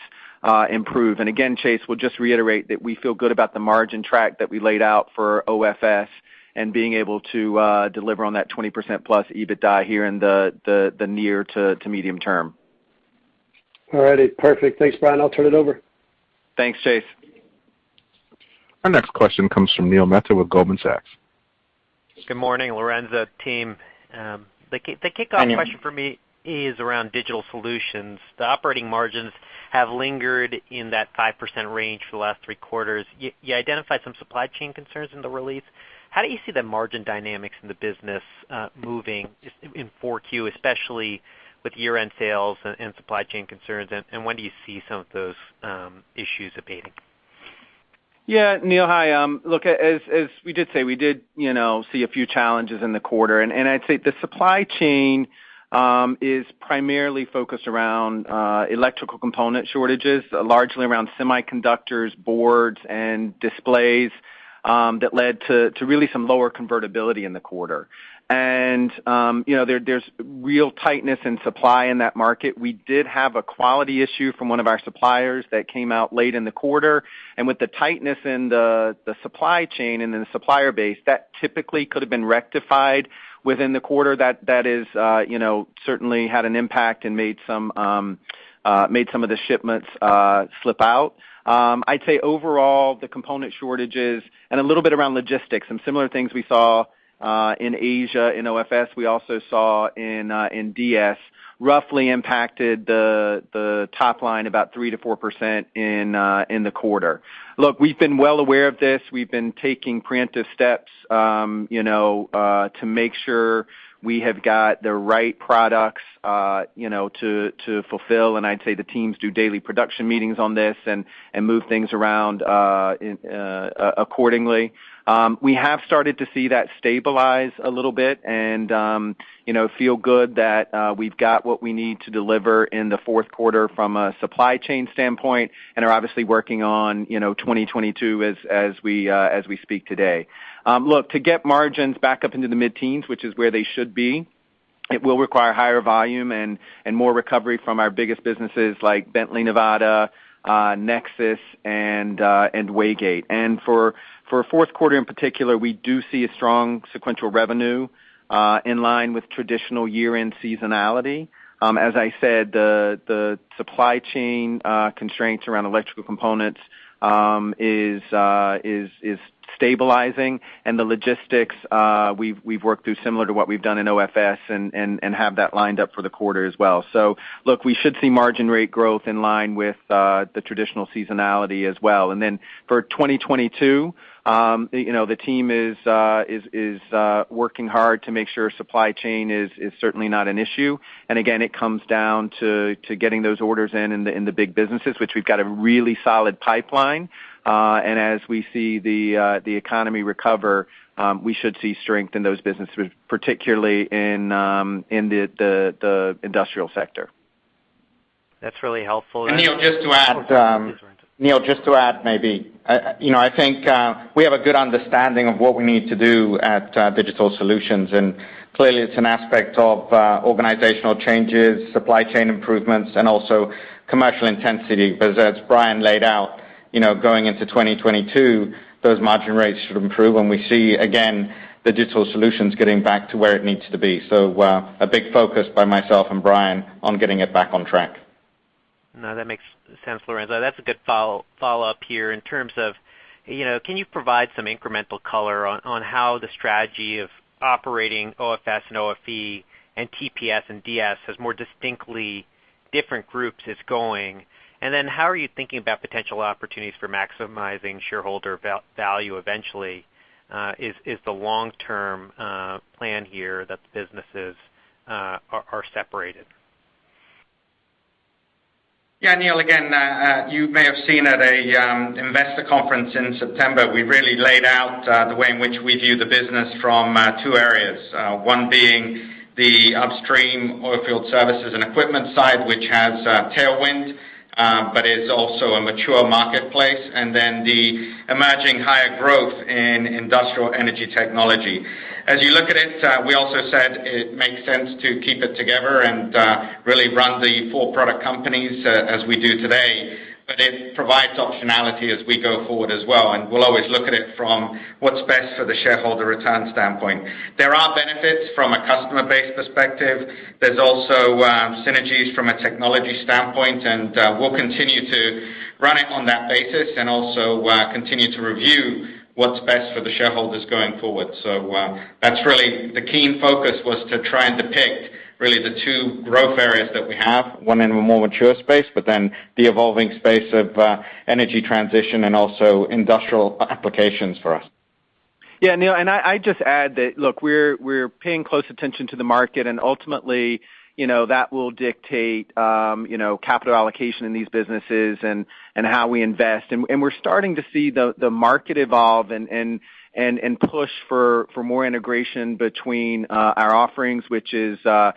improve. Again, Chase Mulvehill, would just reiterate that we feel good about the margin track that we laid out for OFS, and being able to deliver on that 20%+ EBITDA here in the near to medium term. Alrighty, perfect. Thanks, Brian. I'll turn it over. Thanks, Chase. Our next question comes from Neil Mehta with Goldman Sachs. Good morning, Lorenzo, team. The kickoff question for me is around Digital Solutions. The operating margins have lingered in that 5% range for the last three quarters. You identified some supply chain concerns in the release. How do you see the margin dynamics in the business moving just in 4Q, especially with year-end sales and supply chain concerns? When do you see some of those issues abating? Yeah. Neil, hi. Look, as we did say, we did see a few challenges in the quarter. I'd say the supply chain is primarily focused around electrical component shortages, largely around semiconductors, boards, and displays that led to really some lower convertibility in the quarter. There's real tightness in supply in that market. We did have a quality issue from one of our suppliers that came out late in the quarter. With the tightness in the supply chain and in the supplier base, that typically could have been rectified within the quarter. That has certainly had an impact and made some of the shipments slip out. I'd say overall, the component shortages and a little bit around logistics, some similar things we saw in Asia in OFS, we also saw in DS, roughly impacted the top line about 3%-4% in the quarter. Look, we've been well aware of this. We've been taking preemptive steps to make sure we have got the right products to fulfill. And I'd say the teams do daily production meetings on this and move things around accordingly. We have started to see that stabilize a little bit and feel good that we've got what we need to deliver in the fourth quarter from a supply chain standpoint, and are obviously working on 2022 as we speak today. Look, to get margins back up into the mid-teens, which is where they should be, it will require higher volume and more recovery from our biggest businesses like Bently Nevada, Nexus, and Waygate. For fourth quarter, in particular, we do see a strong sequential revenue in line with traditional year-end seasonality. As I said, the supply chain constraints around electrical components is stabilizing. The logistics we've worked through similar to what we've done in OFS and have that lined up for the quarter as well. Look, we should see margin rate growth in line with the traditional seasonality as well. Then for 2022, the team is working hard to make sure supply chain is certainly not an issue. Again, it comes down to getting those orders in the big businesses, which we've got a really solid pipeline. As we see the economy recover, we should see strength in those businesses, particularly in the industrial sector. That's really helpful. Neil, just to add maybe, I think we have a good understanding of what we need to do at Digital Solutions, and clearly it's an aspect of organizational changes, supply chain improvements, and also commercial intensity. As Brian laid out, going into 2022, those margin rates should improve. We see, again, Digital Solutions getting back to where it needs to be. A big focus by myself and Brian on getting it back on track. No, that makes sense, Lorenzo. That's a good follow-up here in terms of, can you provide some incremental color on how the strategy of operating OFS, and OFE, and TPS, and DS as more distinctly different groups is going? How are you thinking about potential opportunities for maximizing shareholder value eventually? Is the long-term plan here that the businesses are separated? Neil, again, you may have seen at a Investor Conference in September, we really laid out the way in which we view the business from two areas. One being the upstream Oilfield Services and equipment side, which has tailwind but is also a mature marketplace. The emerging higher growth in industrial energy technology. As you look at it, we also said it makes sense to keep it together and really run the four product companies as we do today, it provides optionality as we go forward as well. We'll always look at it from what's best for the shareholder return standpoint. There are benefits from a customer base perspective. There's also synergies from a technology standpoint, we'll continue to run it on that basis and also continue to review what's best for the shareholders going forward. That's really the keen focus was to try and depict really the two growth areas that we have, one in a more mature space, but then the evolving space of energy transition and also industrial applications for us. Yeah, Neil, I'd just add that, look, we're paying close attention to the market, ultimately, that will dictate capital allocation in these businesses and how we invest. We're starting to see the market evolve and push for more integration between our offerings, which is a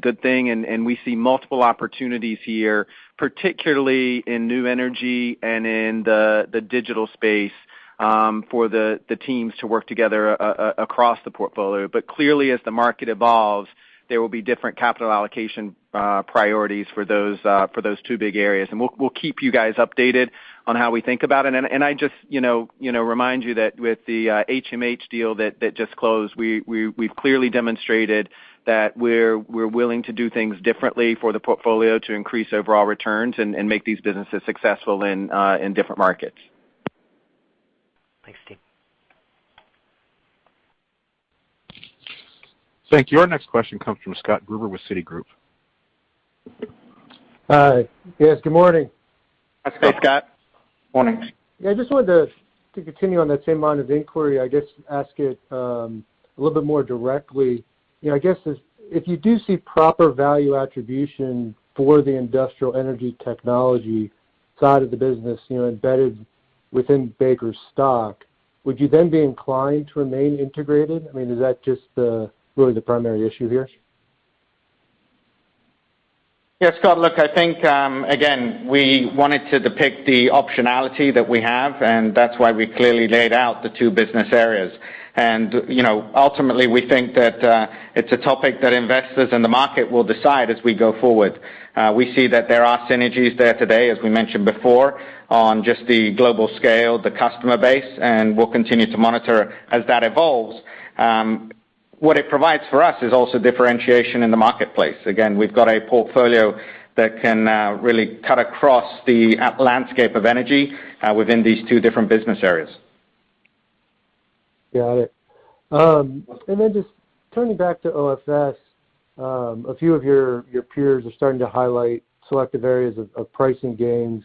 good thing. We see multiple opportunities here, particularly in new energy and in the digital space for the teams to work together across the portfolio. Clearly, as the market evolves, there will be different capital allocation priorities for those two big areas. We'll keep you guys updated on how we think about it. I just remind you that with the HMH deal that just closed, we've clearly demonstrated that we're willing to do things differently for the portfolio to increase overall returns and make these businesses successful in different markets. Thanks, team. Thank you. Our next question comes from Scott Gruber with Citigroup. Hi. Yes, good morning. Hi, Scott. Morning. Yeah, I just wanted to continue on that same line of inquiry, I guess ask it a little bit more directly. I guess if you do see proper value attribution for the industrial energy technology side of the business embedded within Baker's stock, would you then be inclined to remain integrated? I mean, is that just really the primary issue here? Scott, look, I think, again, we wanted to depict the optionality that we have, and that's why we clearly laid out the two business areas. Ultimately, we think that it's a topic that investors in the market will decide as we go forward. We see that there are synergies there today, as we mentioned before, on just the global scale, the customer base, and we'll continue to monitor as that evolves. What it provides for us is also differentiation in the marketplace. Again, we've got a portfolio that can really cut across the landscape of energy within these two different business areas. Got it. Then just turning back to OFS, a few of your peers are starting to highlight selective areas of pricing gains,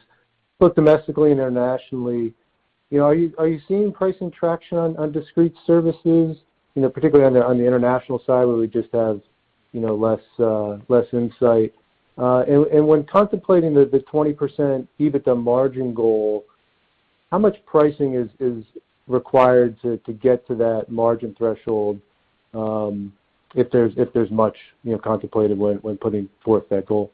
both domestically, internationally. Are you seeing pricing traction on discrete services, particularly on the international side where we just have less insight? When contemplating the 20% EBITDA margin goal, how much pricing is required to get to that margin threshold, if there's much contemplated when putting forth that goal?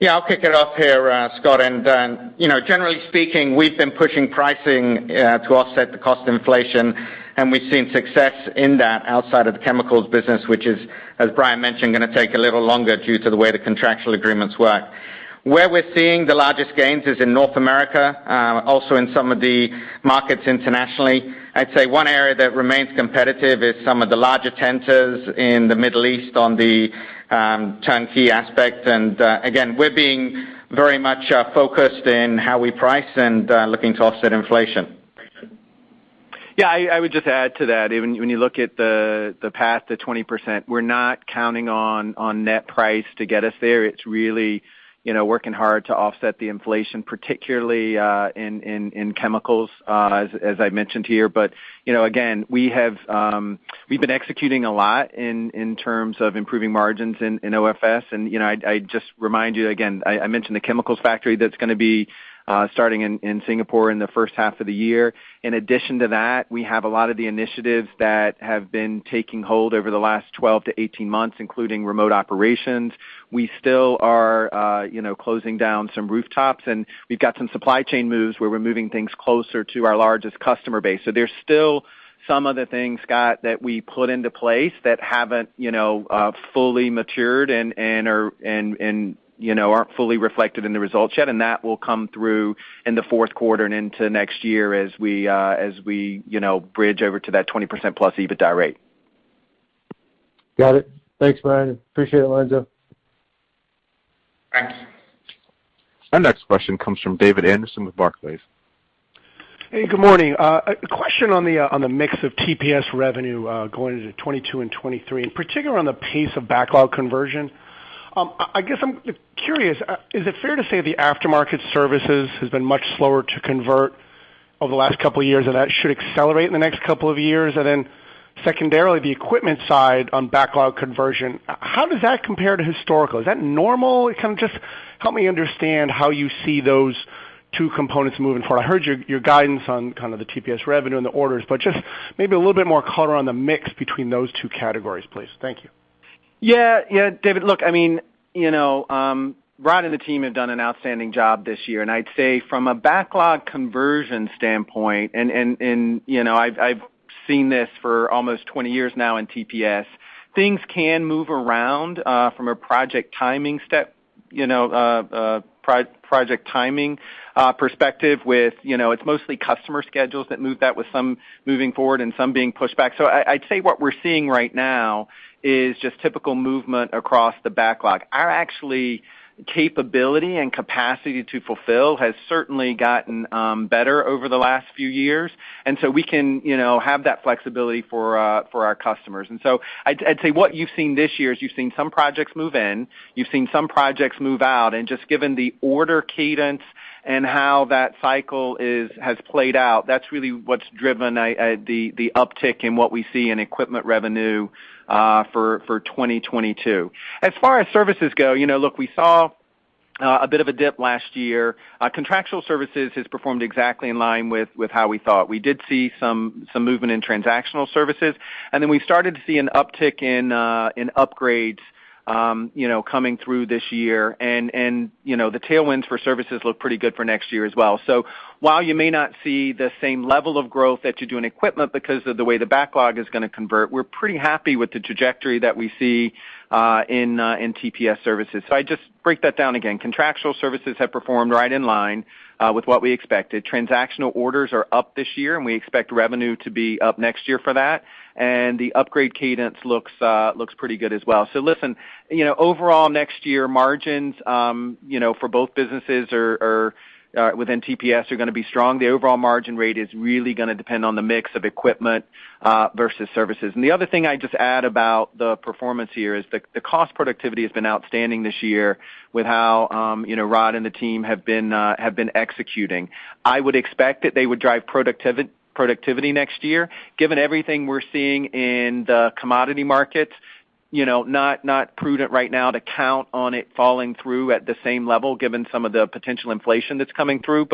Yeah, I'll kick it off here, Scott. Generally speaking, we've been pushing pricing to offset the cost inflation, and we've seen success in that outside of the chemicals business, which is, as Brian mentioned, going to take a little longer due to the way the contractual agreements work. Where we're seeing the largest gains is in North America, also in some of the markets internationally. I'd say one area that remains competitive is some of the larger tenders in the Middle East on the turnkey aspect. Again, we're being very much focused in how we price and looking to offset inflation. Yeah, I would just add to that. When you look at the path to 20%, we're not counting on net price to get us there. It's really working hard to offset the inflation, particularly in chemicals, as I mentioned here. Again, we've been executing a lot in terms of improving margins in OFS, and I just remind you again, I mentioned the chemicals factory that's going to be starting in Singapore in the first half of the year. In addition to that, we have a lot of the initiatives that have been taking hold over the last 12-18 months, including remote operations. We still are closing down some rooftops, and we've got some supply chain moves where we're moving things closer to our largest customer base. There's still some of the things, Scott, that we put into place that haven't fully matured and aren't fully reflected in the results yet, and that will come through in the fourth quarter and into next year as we bridge over to that 20+% EBITDA rate. Got it. Thanks, Brian. Appreciate it, Lorenzo. Thanks. Our next question comes from David Anderson with Barclays. Hey, good morning. A question on the mix of TPS revenue going into 2022 and 2023, in particular on the pace of backlog conversion. I guess I'm curious, is it fair to say the aftermarket services has been much slower to convert over the last couple of years, and that should accelerate in the next couple of years? Secondarily, the equipment side on backlog conversion, how does that compare to historical? Is that normal? Kind of just help me understand how you see those two components moving forward. I heard your guidance on kind of the TPS revenue and the orders, just maybe a little bit more color on the mix between those two categories, please? Thank you. David, look, I mean, Brian and the team have done an outstanding job this year. I'd say from a backlog conversion standpoint, and I've seen this for almost 20 years now in TPS, things can move around from a project timing perspective with, it's mostly customer schedules that move that with some moving forward and some being pushed back. I'd say what we're seeing right now is just typical movement across the backlog. Our actually capability and capacity to fulfill has certainly gotten better over the last few years, and so we can have that flexibility for our customers. I'd say what you've seen this year is you've seen some projects move in, you've seen some projects move out, and just given the order cadence and how that cycle has played out, that's really what's driven the uptick in what we see in equipment revenue for 2022. As far as services go, look, we saw a bit of a dip last year. Contractual services has performed exactly in line with how we thought. We did see some movement in transactional services, and then we started to see an uptick in upgrades coming through this year. The tailwinds for services look pretty good for next year as well. While you may not see the same level of growth that you do in equipment because of the way the backlog is going to convert, we're pretty happy with the trajectory that we see in TPS services. I just break that down again. Contractual services have performed right in line with what we expected. Transactional orders are up this year, and we expect revenue to be up next year for that. The upgrade cadence looks pretty good as well, so listen. Overall next year margins for both businesses are, are within TPS are going to be strong. The overall margin rate is really going to depend on the mix of equipment versus services. The other thing I'd just add about the performance here is the cost productivity has been outstanding this year with how Ron and the team have been executing. I would expect that they would drive productivity next year. Given everything we're seeing in the commodity markets, not prudent right now to count on it falling through at the same level given some of the potential inflation that's coming through.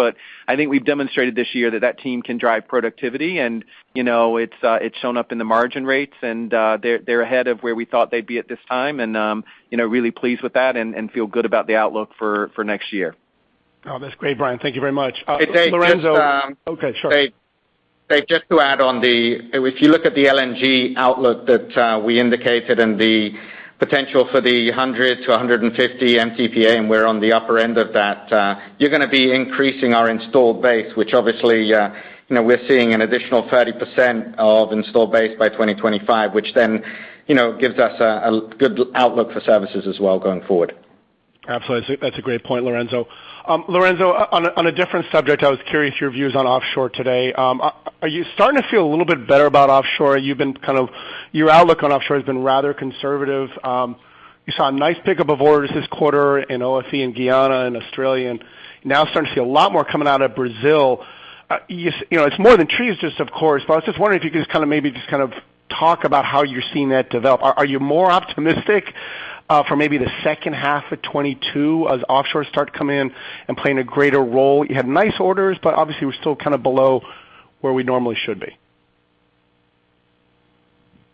I think we've demonstrated this year that team can drive productivity and it's shown up in the margin rates and they're ahead of where we thought they'd be at this time and really pleased with that and feel good about the outlook for next year. That's great, Brian. Thank you very much. Dave? Lorenzo. Okay, sure. Dave, just to add on. If you look at the LNG outlook that we indicated and the potential for the 100-150 MTPA, and we're on the upper end of that, you're going to be increasing our installed base, which obviously we're seeing an additional 30% of installed base by 2025, which then gives us a good outlook for services as well going forward. Absolutely. That's a great point, Lorenzo. Lorenzo, on a different subject, I was curious your views on offshore today. Are you starting to feel a little bit better about offshore? Your outlook on offshore has been rather conservative. You saw a nice pickup of orders this quarter in OFE and Guyana and Australia. Starting to see a lot more coming out of Brazil. It's more than trees, of course. I was just wondering if you could just maybe, just kinda talk about how you're seeing that develop. Are you more optimistic for maybe the second half of 2022 as offshore start to come in and playing a greater role? You had nice orders. Obviously we're still below where we normally should be.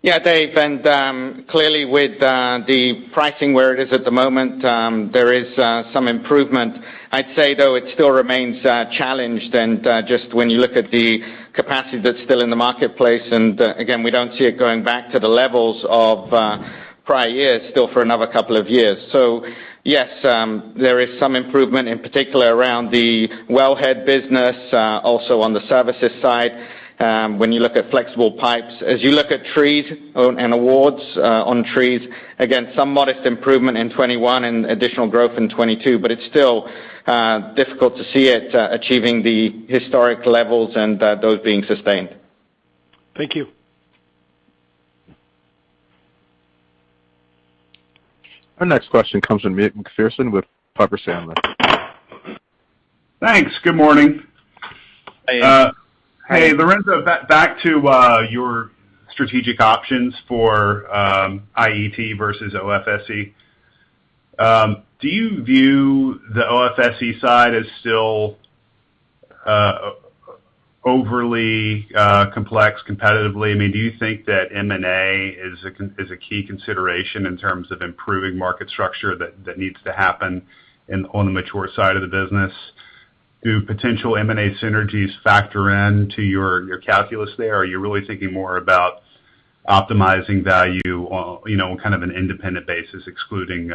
Yeah, Dave, clearly with the pricing where it is at the moment, there is some improvement. I'd say, though, it still remains challenged and just when you look at the capacity that's still in the marketplace, and again, we don't see it going back to the levels of prior years still for another couple of years. Yes, there is some improvement, in particular around the wellhead business, also on the services side. When you look at flexible pipes, as you look at trees and awards on trees, again, some modest improvement in 2021 and additional growth in 2022. It's still difficult to see it achieving the historic levels and those being sustained. Thank you. Our next question comes from Ian Macpherson with Piper Sandler. Thanks. Good morning. Hey. Hey, Lorenzo. Back to your strategic options for IET versus OFSE. Do you view the OFSE side as still overly complex competitively? I mean, do you think that M&A is a key consideration in terms of improving market structure that needs to happen on the mature side of the business? Do potential M&A synergies factor into your calculus there, or are you really thinking more about optimizing value on an independent basis, excluding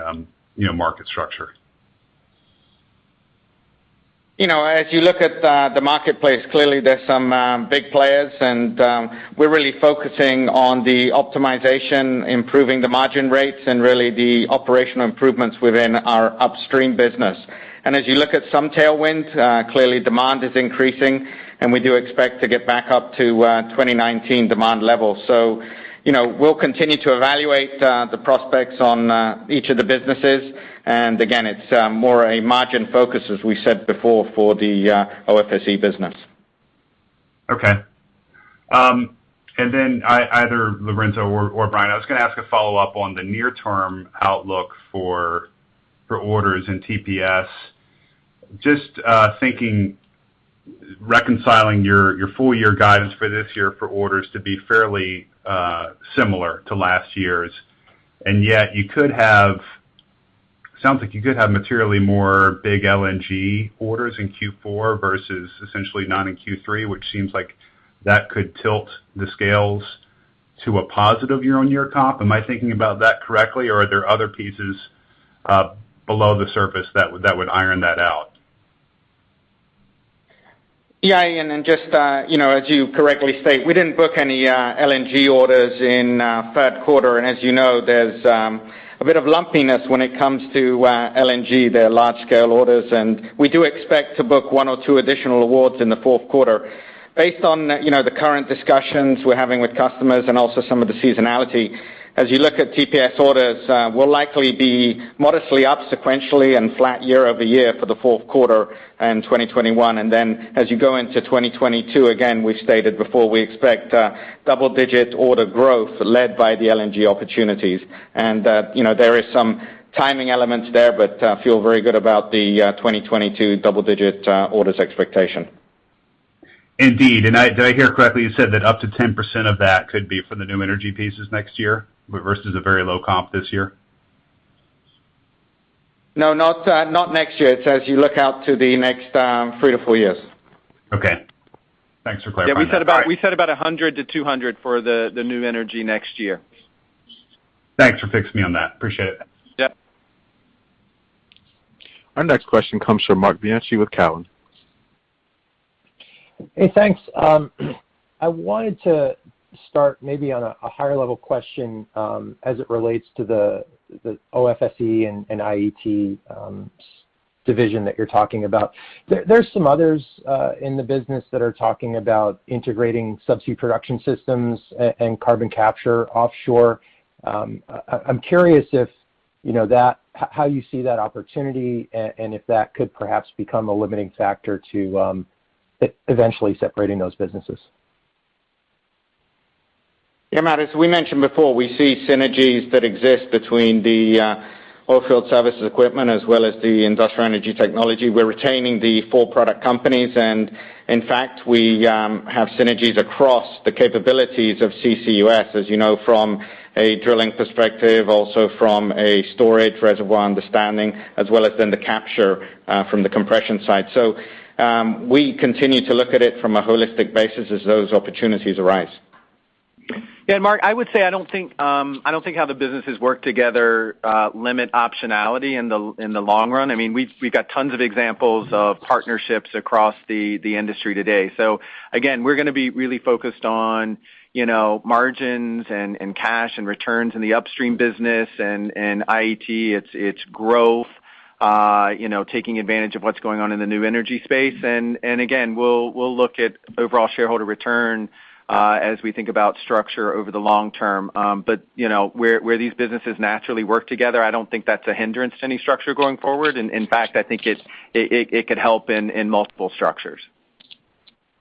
market structure? You know, as you look at the marketplace, clearly there's some big players, and we're really focusing on the optimization, improving the margin rates, and really the operational improvements within our upstream business. As you look at some tailwinds, clearly demand is increasing and we do expect to get back up to 2019 demand levels. So, you know, we'll continue to evaluate the prospects on each of the businesses. Again, it's more a margin focus, as we said before, for the OFSE business. Okay. Either Lorenzo or Brian, I was going to ask a follow-up on the near-term outlook for orders in TPS. Just thinking, reconciling your full-year guidance for this year for orders to be fairly similar to last year's. Yet it sounds like you could have materially more big LNG orders in Q4 versus essentially none in Q3, which seems like that could tilt the scales to a positive year-on-year comp. Am I thinking about that correctly, or are there other pieces below the surface that would iron that out? Yeah, Ian, just as you correctly state, we didn't book any LNG orders in third quarter. As you know, there's a bit of lumpiness when it comes to LNG. They're large-scale orders. We do expect to book one or two additional awards in the fourth quarter. Based on the current discussions we're having with customers and also some of the seasonality, as you look at TPS orders, we'll likely be modestly up sequentially and flat year-over-year for the fourth quarter in 2021. As you go into 2022, again, we've stated before we expect double-digit order growth led by the LNG opportunities. There is some timing elements there. Feel very good about the 2022 double-digit orders expectation. Indeed. Did I hear correctly? You said that up to 10% of that could be from the new energy pieces next year versus a very low comp this year? No, not next year. It's as you look out to the next three to four years. Okay. Thanks for clarifying that. Yeah. We said about $100 million-200 million for the new energy next year. Thanks for fixing me on that. Appreciate it. Yeah. Our next question comes from Marc Bianchi with Cowen. Hey, thanks. I wanted to start maybe on a higher level question, as it relates to the OFSE and IET division that you're talking about. There's some others in the business that are talking about integrating Subsea Production Systems and carbon capture offshore. I'm curious how you see that opportunity, and if that could perhaps become a limiting factor to, eventually separating those businesses. Yeah, Marc, as we mentioned before, we see synergies that exist between the Oilfield Services & Equipment as well as the Industrial Energy Technology. We're retaining the four product companies, and in fact, we have synergies across the capabilities of CCUS, as you know, from a drilling perspective, also from a storage reservoir understanding, as well as then the capture from the compression side. We continue to look at it from a holistic basis as those opportunities arise. Marc, I would say I don't think how the businesses work together limit optionality in the long run. We've got tons of examples of partnerships across the industry today. Again, we're going to be really focused on margins and cash and returns in the upstream business and IET, its growth, taking advantage of what's going on in the new energy space. Again, we'll look at overall shareholder return, as we think about structure over the long term. Where these businesses naturally work together, I don't think that's a hindrance to any structure going forward. In fact, I think it could help in multiple structures.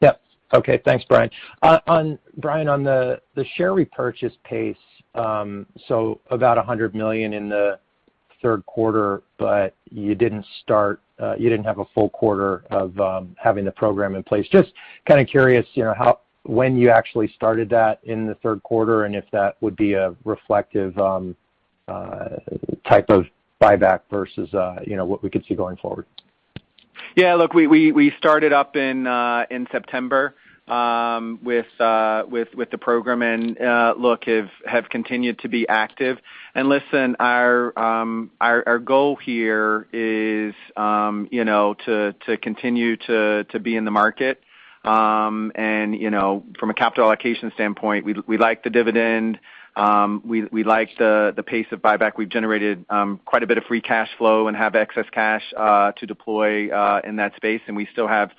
Yep. Okay, thanks, Brian. Brian, on the share repurchase pace, so about $100 million in the third quarter, but you didn't have a full quarter of having the program in place. Just kind of curious when you actually started that in the third quarter, and if that would be a reflective type of buyback versus what we could see going forward. Yeah, look, we started up in September with the program, and look, have continued to be active. Listen, our goal here is to continue to be in the market. From a capital allocation standpoint, we like the dividend. We like the pace of buyback. We've generated quite a bit of free cash flow and have excess cash to deploy in that space. We still have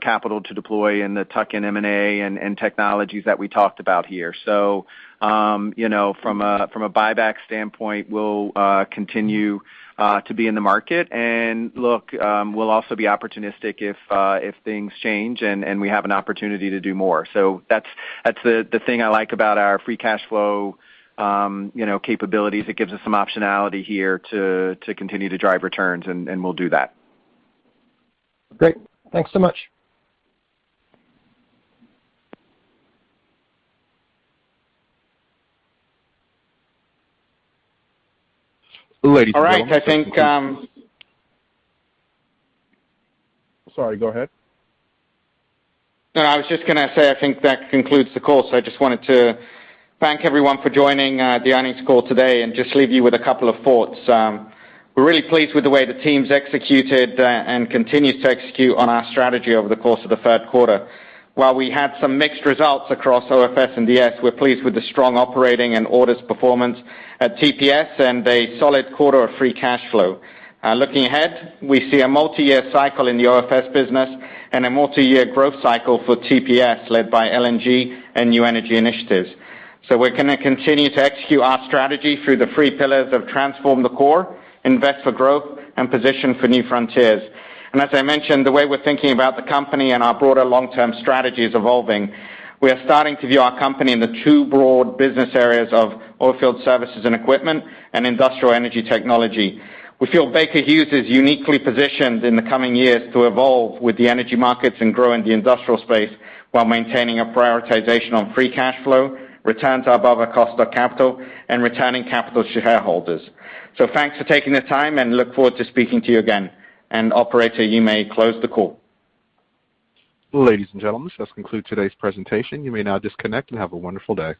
capital to deploy in the tuck-in M&A and technologies that we talked about here. From a buyback standpoint, we'll continue to be in the market. Look, we'll also be opportunistic if things change and we have an opportunity to do more. That's the thing I like about our free cash flow capabilities. It gives us some optionality here to continue to drive returns, and we'll do that. Great. Thanks so much. Ladies and gentlemen. All right. Sorry, go ahead. I was just going to say, I think that concludes the call. I just wanted to thank everyone for joining the earnings call today and just leave you with a couple of thoughts. We're really pleased with the way the team's executed and continues to execute on our strategy over the course of the third quarter. While we had some mixed results across OFS and DS, we're pleased with the strong operating and orders performance at TPS and a solid quarter of free cash flow. Looking ahead, we see a multiyear cycle in the OFS business and a multiyear growth cycle for TPS led by LNG and new energy initiatives. We're going to continue to execute our strategy through the three pillars of transform the core, invest for growth, and position for new frontiers. As I mentioned, the way we're thinking about the company and our broader long-term strategy is evolving. We are starting to view our company in the two broad business areas of Oilfield Services & Equipment and Industrial Energy Technology. We feel Baker Hughes is uniquely positioned in the coming years to evolve with the energy markets and grow in the industrial space while maintaining a prioritization on free cash flow, returns above our cost of capital, and returning capital to shareholders. Thanks for taking the time, and look forward to speaking to you again. Operator, you may close the call. Ladies and gentlemen, this concludes today's presentation. You may now disconnect, and have a wonderful day.